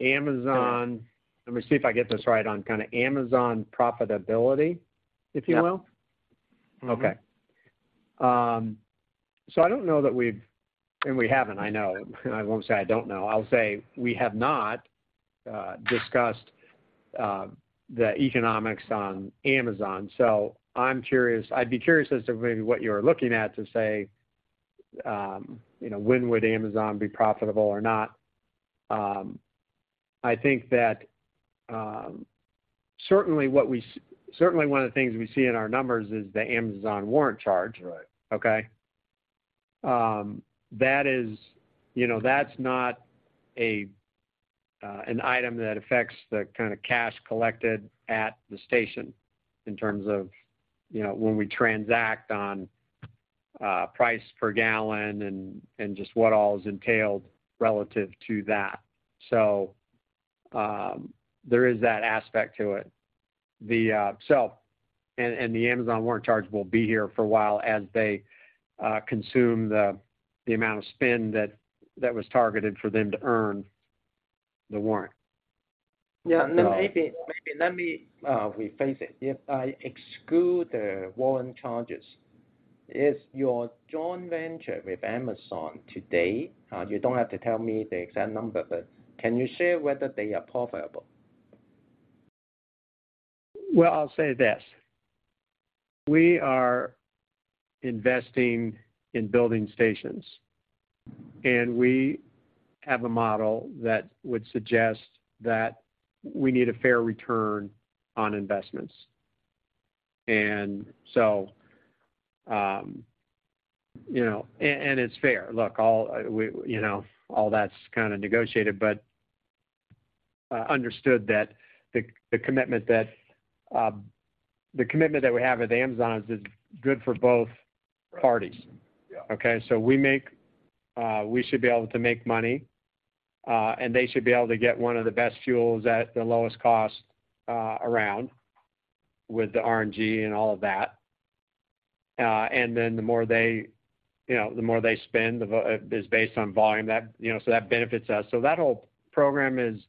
Speaker 2: Amazon, let me see if I get this right, on kinda Amazon.
Speaker 9: Yeah.
Speaker 2: if you will.
Speaker 9: Mm-hmm.
Speaker 2: Okay. I don't know that we've... We haven't, I know. I won't say I don't know. I'll say we have not discussed the economics on Amazon, so I'm curious. I'd be curious as to maybe what you're looking at to say, you know, when would Amazon be profitable or not. I think that certainly one of the things we see in our numbers is the Amazon warrant charge.
Speaker 3: Right.
Speaker 2: Okay? You know, that's not an item that affects the kinda cash collected at the station in terms of, you know, when we transact on price per gallon and just what all is entailed relative to that. There is that aspect to it. The Amazon warrant charge will be here for a while as they consume the amount of spend that was targeted for them to earn the warrant.
Speaker 9: Yeah. Maybe let me rephrase it. If I exclude the warrant charges, is your joint venture with Amazon today, you don't have to tell me the exact number, but can you share whether they are profitable?
Speaker 2: Well, I'll say this. We are investing in building stations, and we have a model that would suggest that we need a fair return on investments. You know. It's fair. Look, all, You know, all that's kinda negotiated, but understood that the commitment that we have with Amazon is good for both parties.
Speaker 3: Right. Yeah.
Speaker 2: Okay? We make, we should be able to make money, and they should be able to get one of the best fuels at the lowest cost around with the RNG and all of that. The more they, you know, the more they spend, is based on volume. That, you know, that benefits us. That whole program is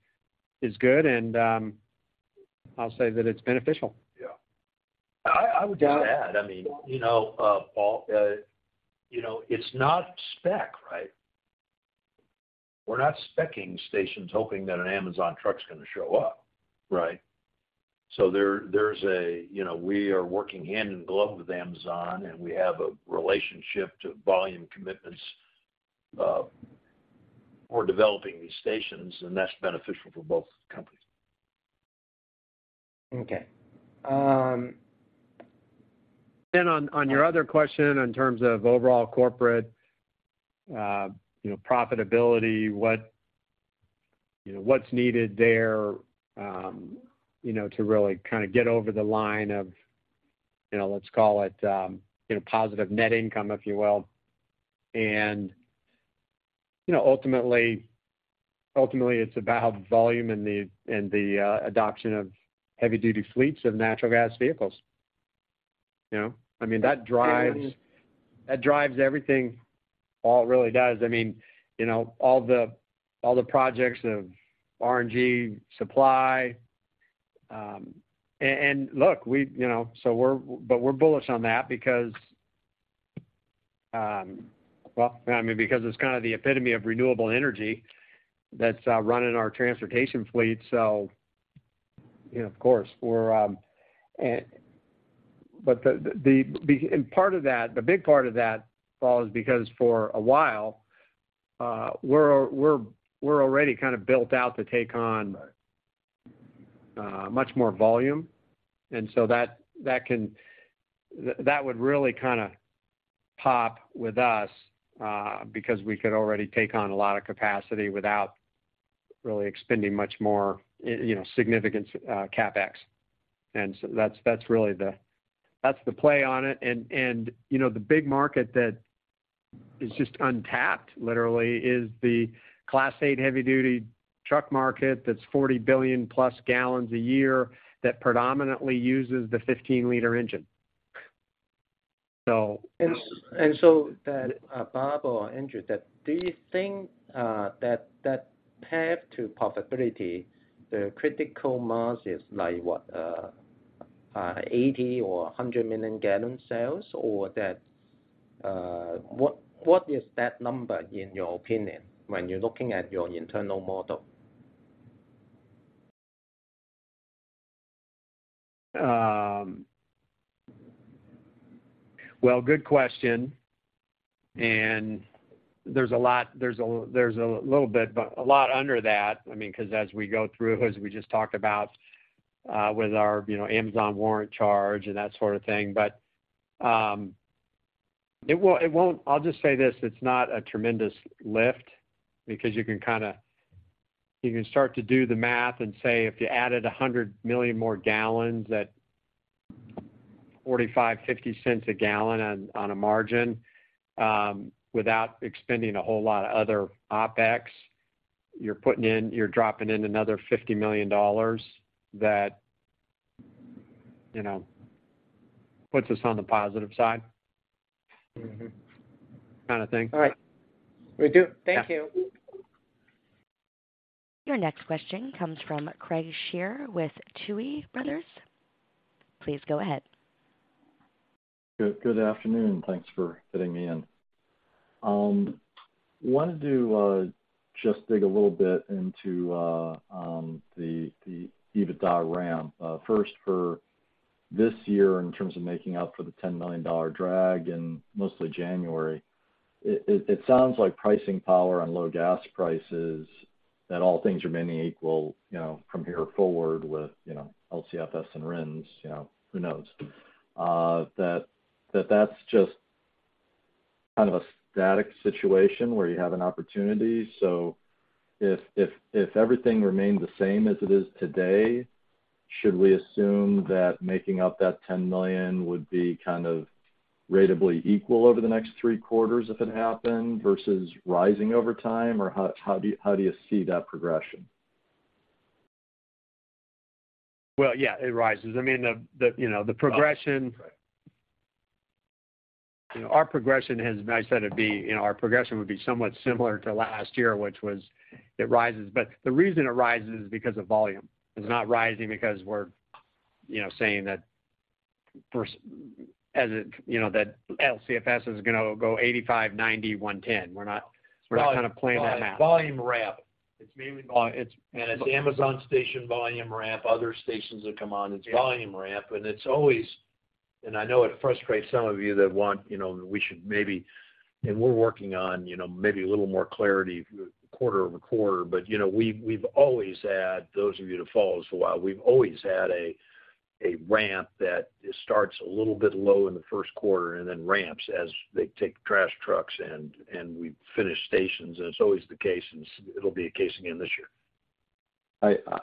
Speaker 2: good, and I'll say that it's beneficial.
Speaker 3: Yeah. I would just add, I mean, you know, Paul, you know, it's not spec, right? We're not spec-ing stations hoping that an Amazon truck's gonna show up, right? You know, we are working hand in glove with Amazon, and we have a relationship to volume commitments for developing these stations, and that's beneficial for both companies.
Speaker 2: Okay. Then on your other question in terms of overall corporate, you know, profitability, what, you know, what's needed there, you know, to really kinda get over the line of, you know, let's call it, you know, positive net income, if you will. You know, ultimately, it's about volume and the adoption of heavy-duty fleets of natural gas vehicles, you know? I mean, that drives.
Speaker 3: Yeah.
Speaker 2: That drives everything, all it really does. I mean, you know, all the projects of RNG supply. Look, we you know, so we're but we're bullish on that because, well, I mean, because it's kinda the epitome of renewable energy that's running our transportation fleet. You know, of course, we're. The and part of that, the big part of that, Paul, is because for a while, we're already kinda built out to take on much more volume. That would really kinda pop with us, because we could already take on a lot of capacity without really expending much more, you know, significant CapEx. That's really the. That's the play on it. You know, the big market that is just untapped literally is the Class 8 heavy-duty truck market that's 40 billion+ gallons a year that predominantly uses the 15-liter engine.
Speaker 9: Bob or Andrew, do you think that path to profitability, the critical mass is like what? 80 or 100 million gallon sales? Or what is that number in your opinion when you're looking at your internal model?
Speaker 2: Well, good question. There's a lot, there's a little bit, but a lot under that. I mean, 'cause as we go through, as we just talked about, with our, you know, Amazon warrant charge and that sort of thing. It won't. I'll just say this, it's not a tremendous lift because you can start to do the math and say, if you added 100 million more gallons at $0.45-$0.50 a gallon on a margin, without expending a whole lot of other OpEx, you're putting in, you're dropping in another $50 million that, you know, puts us on the positive side.
Speaker 3: Mm-hmm.
Speaker 2: Kinda thing.
Speaker 9: All right. Will do.
Speaker 2: Yeah.
Speaker 9: Thank you.
Speaker 1: Your next question comes from Craig Shere with Tuohy Brothers. Please go ahead.
Speaker 10: Good afternoon. Thanks for fitting me in. Wanted to just dig a little bit into the EBITDA ramp. First, for this year, in terms of making up for the $10 million drag in mostly January, it sounds like pricing power on low gas prices that all things remaining equal, you know, from here forward with, you know, LCFS and RINs, you know, who knows? That's just kind of a static situation where you have an opportunity. If everything remained the same as it is today, should we assume that making up that $10 million would be kind of ratably equal over the next three quarters if it happened versus rising over time? How do you see that progression?
Speaker 2: Yeah. It rises. I mean, the, you know.
Speaker 10: Right.
Speaker 2: You know, I said it'd be, you know, our progression would be somewhat similar to last year, which was it rises. The reason it rises is because of volume. It's not rising because we're, you know, saying that first as it, you know, that LCFS is gonna go $85, $90, $110. We're not kinda playing that math.
Speaker 3: Volume ramp. It's mainly-
Speaker 2: Oh.
Speaker 3: It's Amazon station volume ramp, other stations that come on.
Speaker 2: Yeah.
Speaker 3: It's volume ramp, and it's always. I know it frustrates some of you that want, you know, we should maybe. We're working on, you know, maybe a little more clarity quarter-over-quarter. You know, we've always had, those of you that followed us a while, we've always had a ramp that starts a little bit low in the first quarter and then ramps as they take trash trucks and we finish stations. It's always the case, it'll be the case again this year.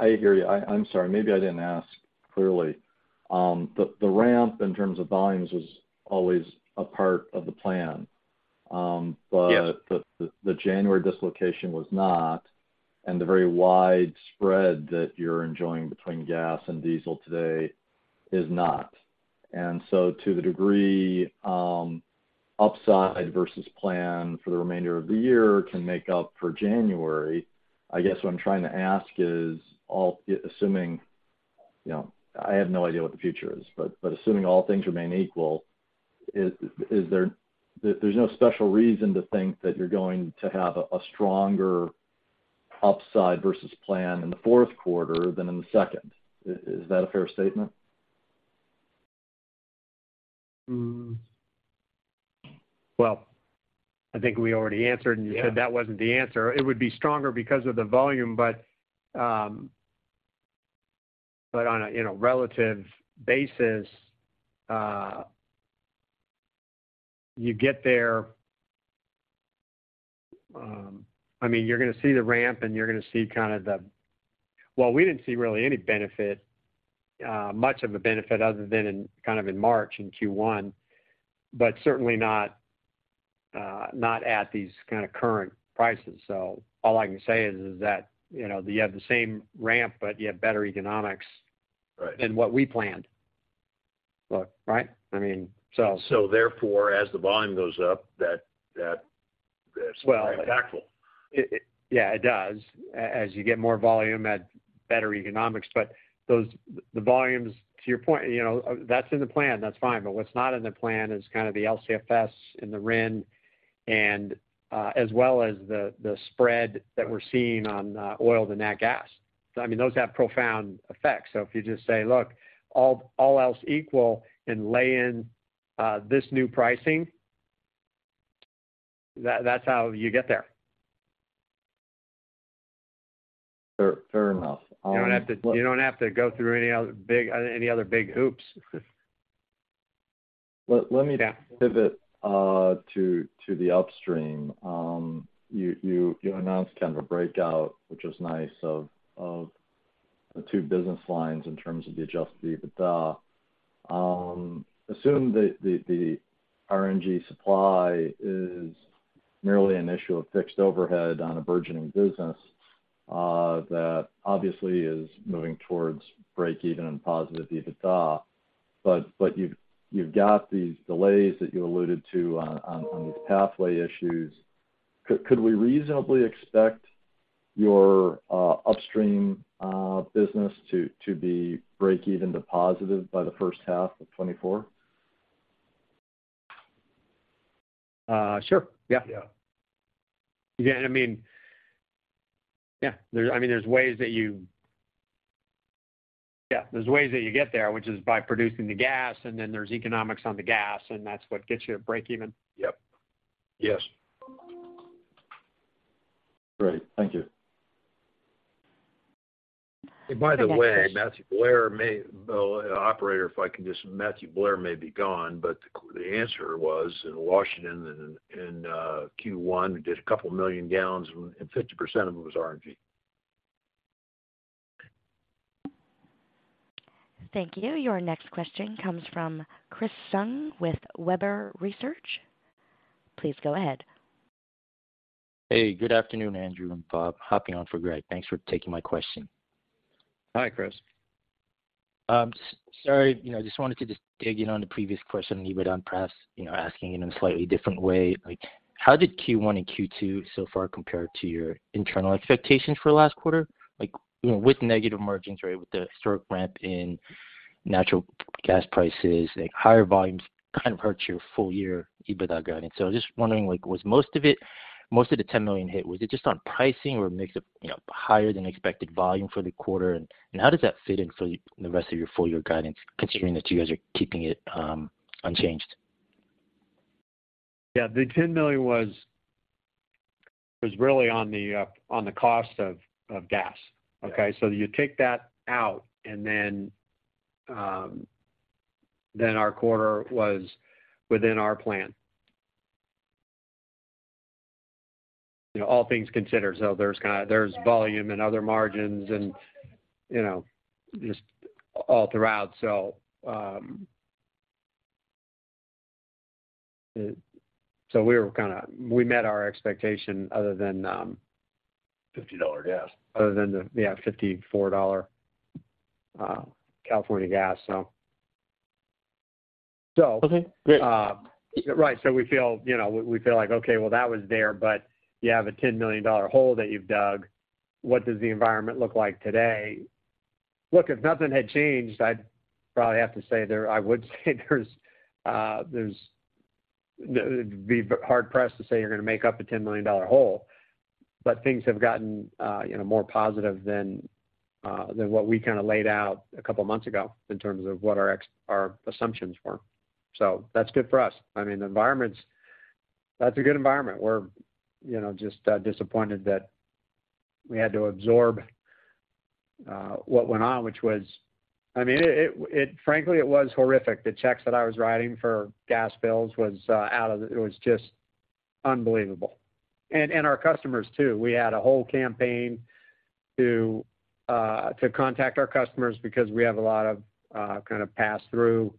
Speaker 10: I hear you. I'm sorry, maybe I didn't ask clearly. The ramp in terms of volumes was always a part of the plan.
Speaker 2: Yeah.
Speaker 10: The January dislocation was not, and the very wide spread that you're enjoying between gas and diesel today is not. To the degree upside versus plan for the remainder of the year can make up for January, I guess what I'm trying to ask is assuming, you know, I have no idea what the future is, but assuming all things remain equal, is there no special reason to think that you're going to have a stronger upside versus plan in the fourth quarter than in the second? Is that a fair statement?
Speaker 2: Well, I think we already answered, and you said that wasn't the answer. It would be stronger because of the volume, but on a, you know, relative basis, you get there. I mean, you're gonna see the ramp, and you're gonna see kind of. Well, we didn't see really any benefit, much of a benefit other than in kind of in March in Q1, but certainly not at these kind of current prices. All I can say is that, you know, you have the same ramp, but you have better economics.
Speaker 10: Right
Speaker 2: Than what we planned. Look, right? I mean, so.
Speaker 3: Therefore, as the volume goes up, that is impactful.
Speaker 2: Well, Yeah, it does. As you get more volume at better economics. The volumes, to your point, you know, that's in the plan, that's fine. What's not in the plan is kind of the LCFS and the RIN and as well as the spread that we're seeing on oil to nat gas. I mean, those have profound effects. If you just say, "Look, all else equal and lay in this new pricing," that's how you get there.
Speaker 10: Fair, fair enough.
Speaker 2: You don't have to go through any other big hoops.
Speaker 10: Let me now pivot to the upstream. You announced kind of a breakout, which was nice, of the two business lines in terms of the adjusted EBITDA. Assume that the RNG supply is merely an issue of fixed overhead on a burgeoning business that obviously is moving towards breakeven and positive EBITDA. But you've got these delays that you alluded to on these pathway issues. Could we reasonably expect your upstream business to be breakeven to positive by the first half of 2024?
Speaker 2: Sure. Yeah.
Speaker 3: Yeah.
Speaker 2: I mean, yeah. Yeah, there's ways that you get there, which is by producing the gas, there's economics on the gas, what gets you to breakeven.
Speaker 10: Yep. Yes. Great. Thank you.
Speaker 1: Our next question-
Speaker 11: By the way, Well, operator, if I can just... Matthew Blair may be gone, but the answer was in Washington and in Q1, we did 2 million gallons, and 50% of it was RNG.
Speaker 1: Thank you. Your next question comes from Chris [Souther] with Webber Research. Please go ahead.
Speaker 12: Hey. Good afternoon, Andrew and Bob. Hopping on for Greg. Thanks for taking my question.
Speaker 2: Hi, Chris.
Speaker 12: Sorry, you know, I just wanted to just dig in on the previous question, even on perhaps, you know, asking it in a slightly different way. Like, how did Q1 and Q2 so far compare to your internal expectations for the last quarter? Like, you know, with negative margins, right, with the historic ramp in natural gas prices, like, higher volumes kind of hurt your full-year EBITDA guidance. I'm just wondering, like, was most of it, most of the $10 million hit, was it just on pricing or a mix of, you know, higher than expected volume for the quarter? How does that fit in for the rest of your full-year guidance, considering that you guys are keeping it unchanged?
Speaker 2: Yeah. The $10 million was really on the cost of gas.
Speaker 12: Okay.
Speaker 2: Okay? You take that out, and then our quarter was within our plan. You know, all things considered. There's volume and other margins and, you know, just all throughout. We met our expectation other than.
Speaker 3: $50-dollar gas.
Speaker 2: -other than the, yeah, $54, California gas, so.
Speaker 12: Okay. Great.
Speaker 2: Right. We feel, you know, we feel like, okay, well, that was there, but you have a $10 million hole that you've dug. What does the environment look like today? Look, if nothing had changed, I'd probably have to say I would say there's be hard-pressed to say you're gonna make up a $10 million hole. Things have gotten, you know, more positive than what we kinda laid out a couple months ago in terms of what our assumptions were. That's good for us. I mean, the environment's. That's a good environment. We're, you know, just disappointed that we had to absorb what went on, which was. I mean, it frankly, it was horrific. The checks that I was writing for gas bills was out of the... It was just unbelievable. Our customers too. We had a whole campaign to contact our customers because we have a lot of kind of pass-through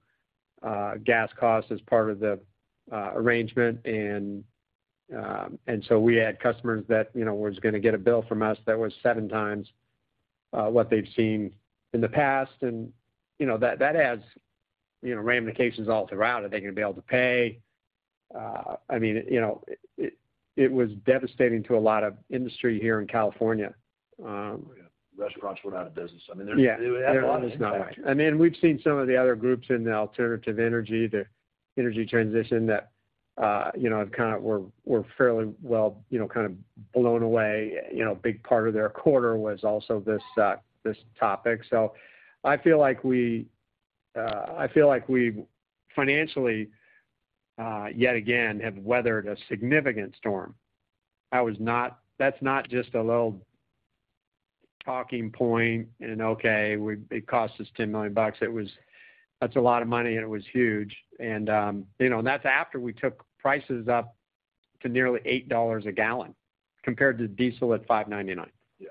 Speaker 2: gas costs as part of the arrangement. So we had customers that, you know, was gonna get a bill from us that was 7x what they've seen in the past. You know, that has, you know, ramifications all throughout. Are they gonna be able to pay? I mean, you know, it was devastating to a lot of industry here in California.
Speaker 3: Yeah. Restaurants went out of business. I mean,
Speaker 2: Yeah
Speaker 3: ...it had a lot of impact.
Speaker 2: I mean, we've seen some of the other groups in the alternative energy, the energy transition that, you know, kind of we're fairly well, you know, kind of blown away. You know, a big part of their quarter was also this topic. I feel like we, I feel like we financially, yet again have weathered a significant storm. That was not. That's not just a little talking point and, okay, it cost us $10 million. It was. That's a lot of money, and it was huge. You know, that's after we took prices up to nearly $8 a gallon compared to diesel at $5.99.
Speaker 3: Yeah.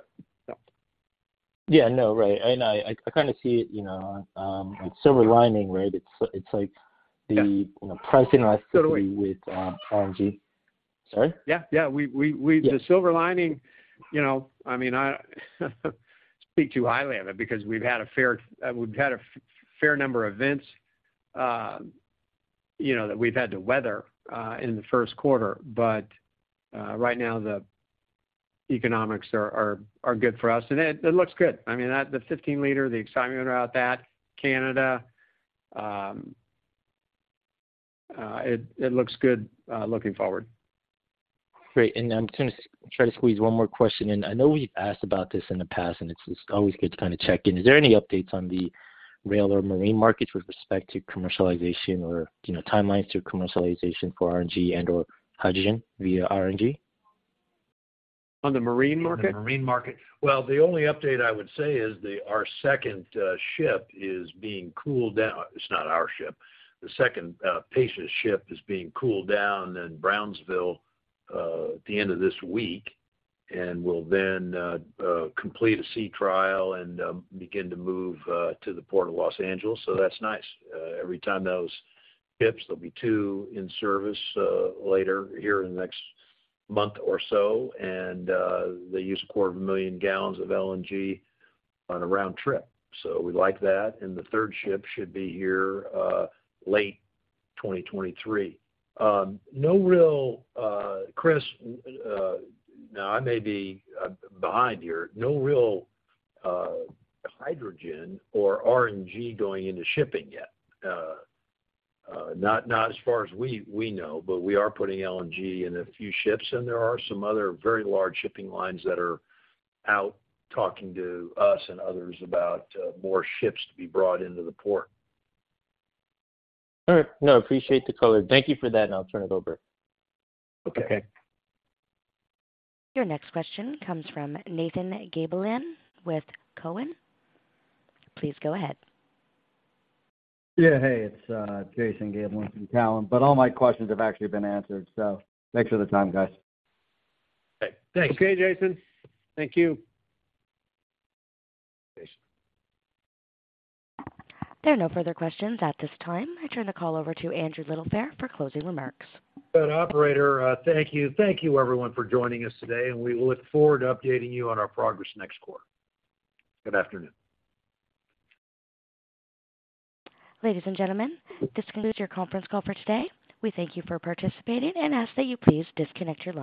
Speaker 2: So.
Speaker 12: Yeah, no, right. I kinda see it, you know, a silver lining, right? It's like
Speaker 2: Yeah.
Speaker 12: you know, pricing elasticity...
Speaker 2: Totally.
Speaker 12: -with, RNG. Sorry?
Speaker 2: Yeah, yeah. We.
Speaker 12: Yeah.
Speaker 2: The silver lining, you know, I mean, I speak too highly of it because we've had a fair number of events, you know, that we've had to weather in the first quarter. Right now the economics are good for us. It looks good. I mean, at the 15-liter, the excitement about that, Canada, it looks good looking forward.
Speaker 12: Great. I'm going to try to squeeze one more question in. I know we've asked about this in the past, and it's always good to kind of check in. Is there any updates on the rail or marine markets with respect to commercialization or, you know, timelines to commercialization for RNG and/or hydrogen via RNG?
Speaker 2: On the marine market?
Speaker 3: On the marine market. The only update I would say is our second ship is being cooled down. It's not our ship. The second Pasha's ship is being cooled down in Brownsville at the end of this week, and will then complete a sea trial and begin to move to the Port of Los Angeles. That's nice. Every time those ships, there'll be two in service later here in the next month or so. They use a quarter of a million gallons of LNG on a round trip. We like that. The third ship should be here late 2023. No real, Chris, now I may be behind here. No real hydrogen or RNG going into shipping yet. Not as far as we know, but we are putting LNG in a few ships, and there are some other very large shipping lines that are out talking to us and others about more ships to be brought into the port.
Speaker 12: All right. No, appreciate the color. Thank you for that, and I'll turn it over.
Speaker 2: Okay.
Speaker 3: Okay.
Speaker 1: Your next question comes from Jason Gabelman with Cowen. Please go ahead.
Speaker 11: Yeah. Hey, it's Jason Gabelman from Cowen. All my questions have actually been answered. Thanks for the time, guys.
Speaker 2: Okay. Thanks.
Speaker 3: Okay, Jason. Thank you.
Speaker 1: There are no further questions at this time. I turn the call over to Andrew Littlefair for closing remarks.
Speaker 3: Good. Operator, thank you. Thank you everyone for joining us today. We look forward to updating you on our progress next quarter. Good afternoon.
Speaker 1: Ladies and gentlemen, this concludes your conference call for today. We thank you for participating and ask that you please disconnect your lines.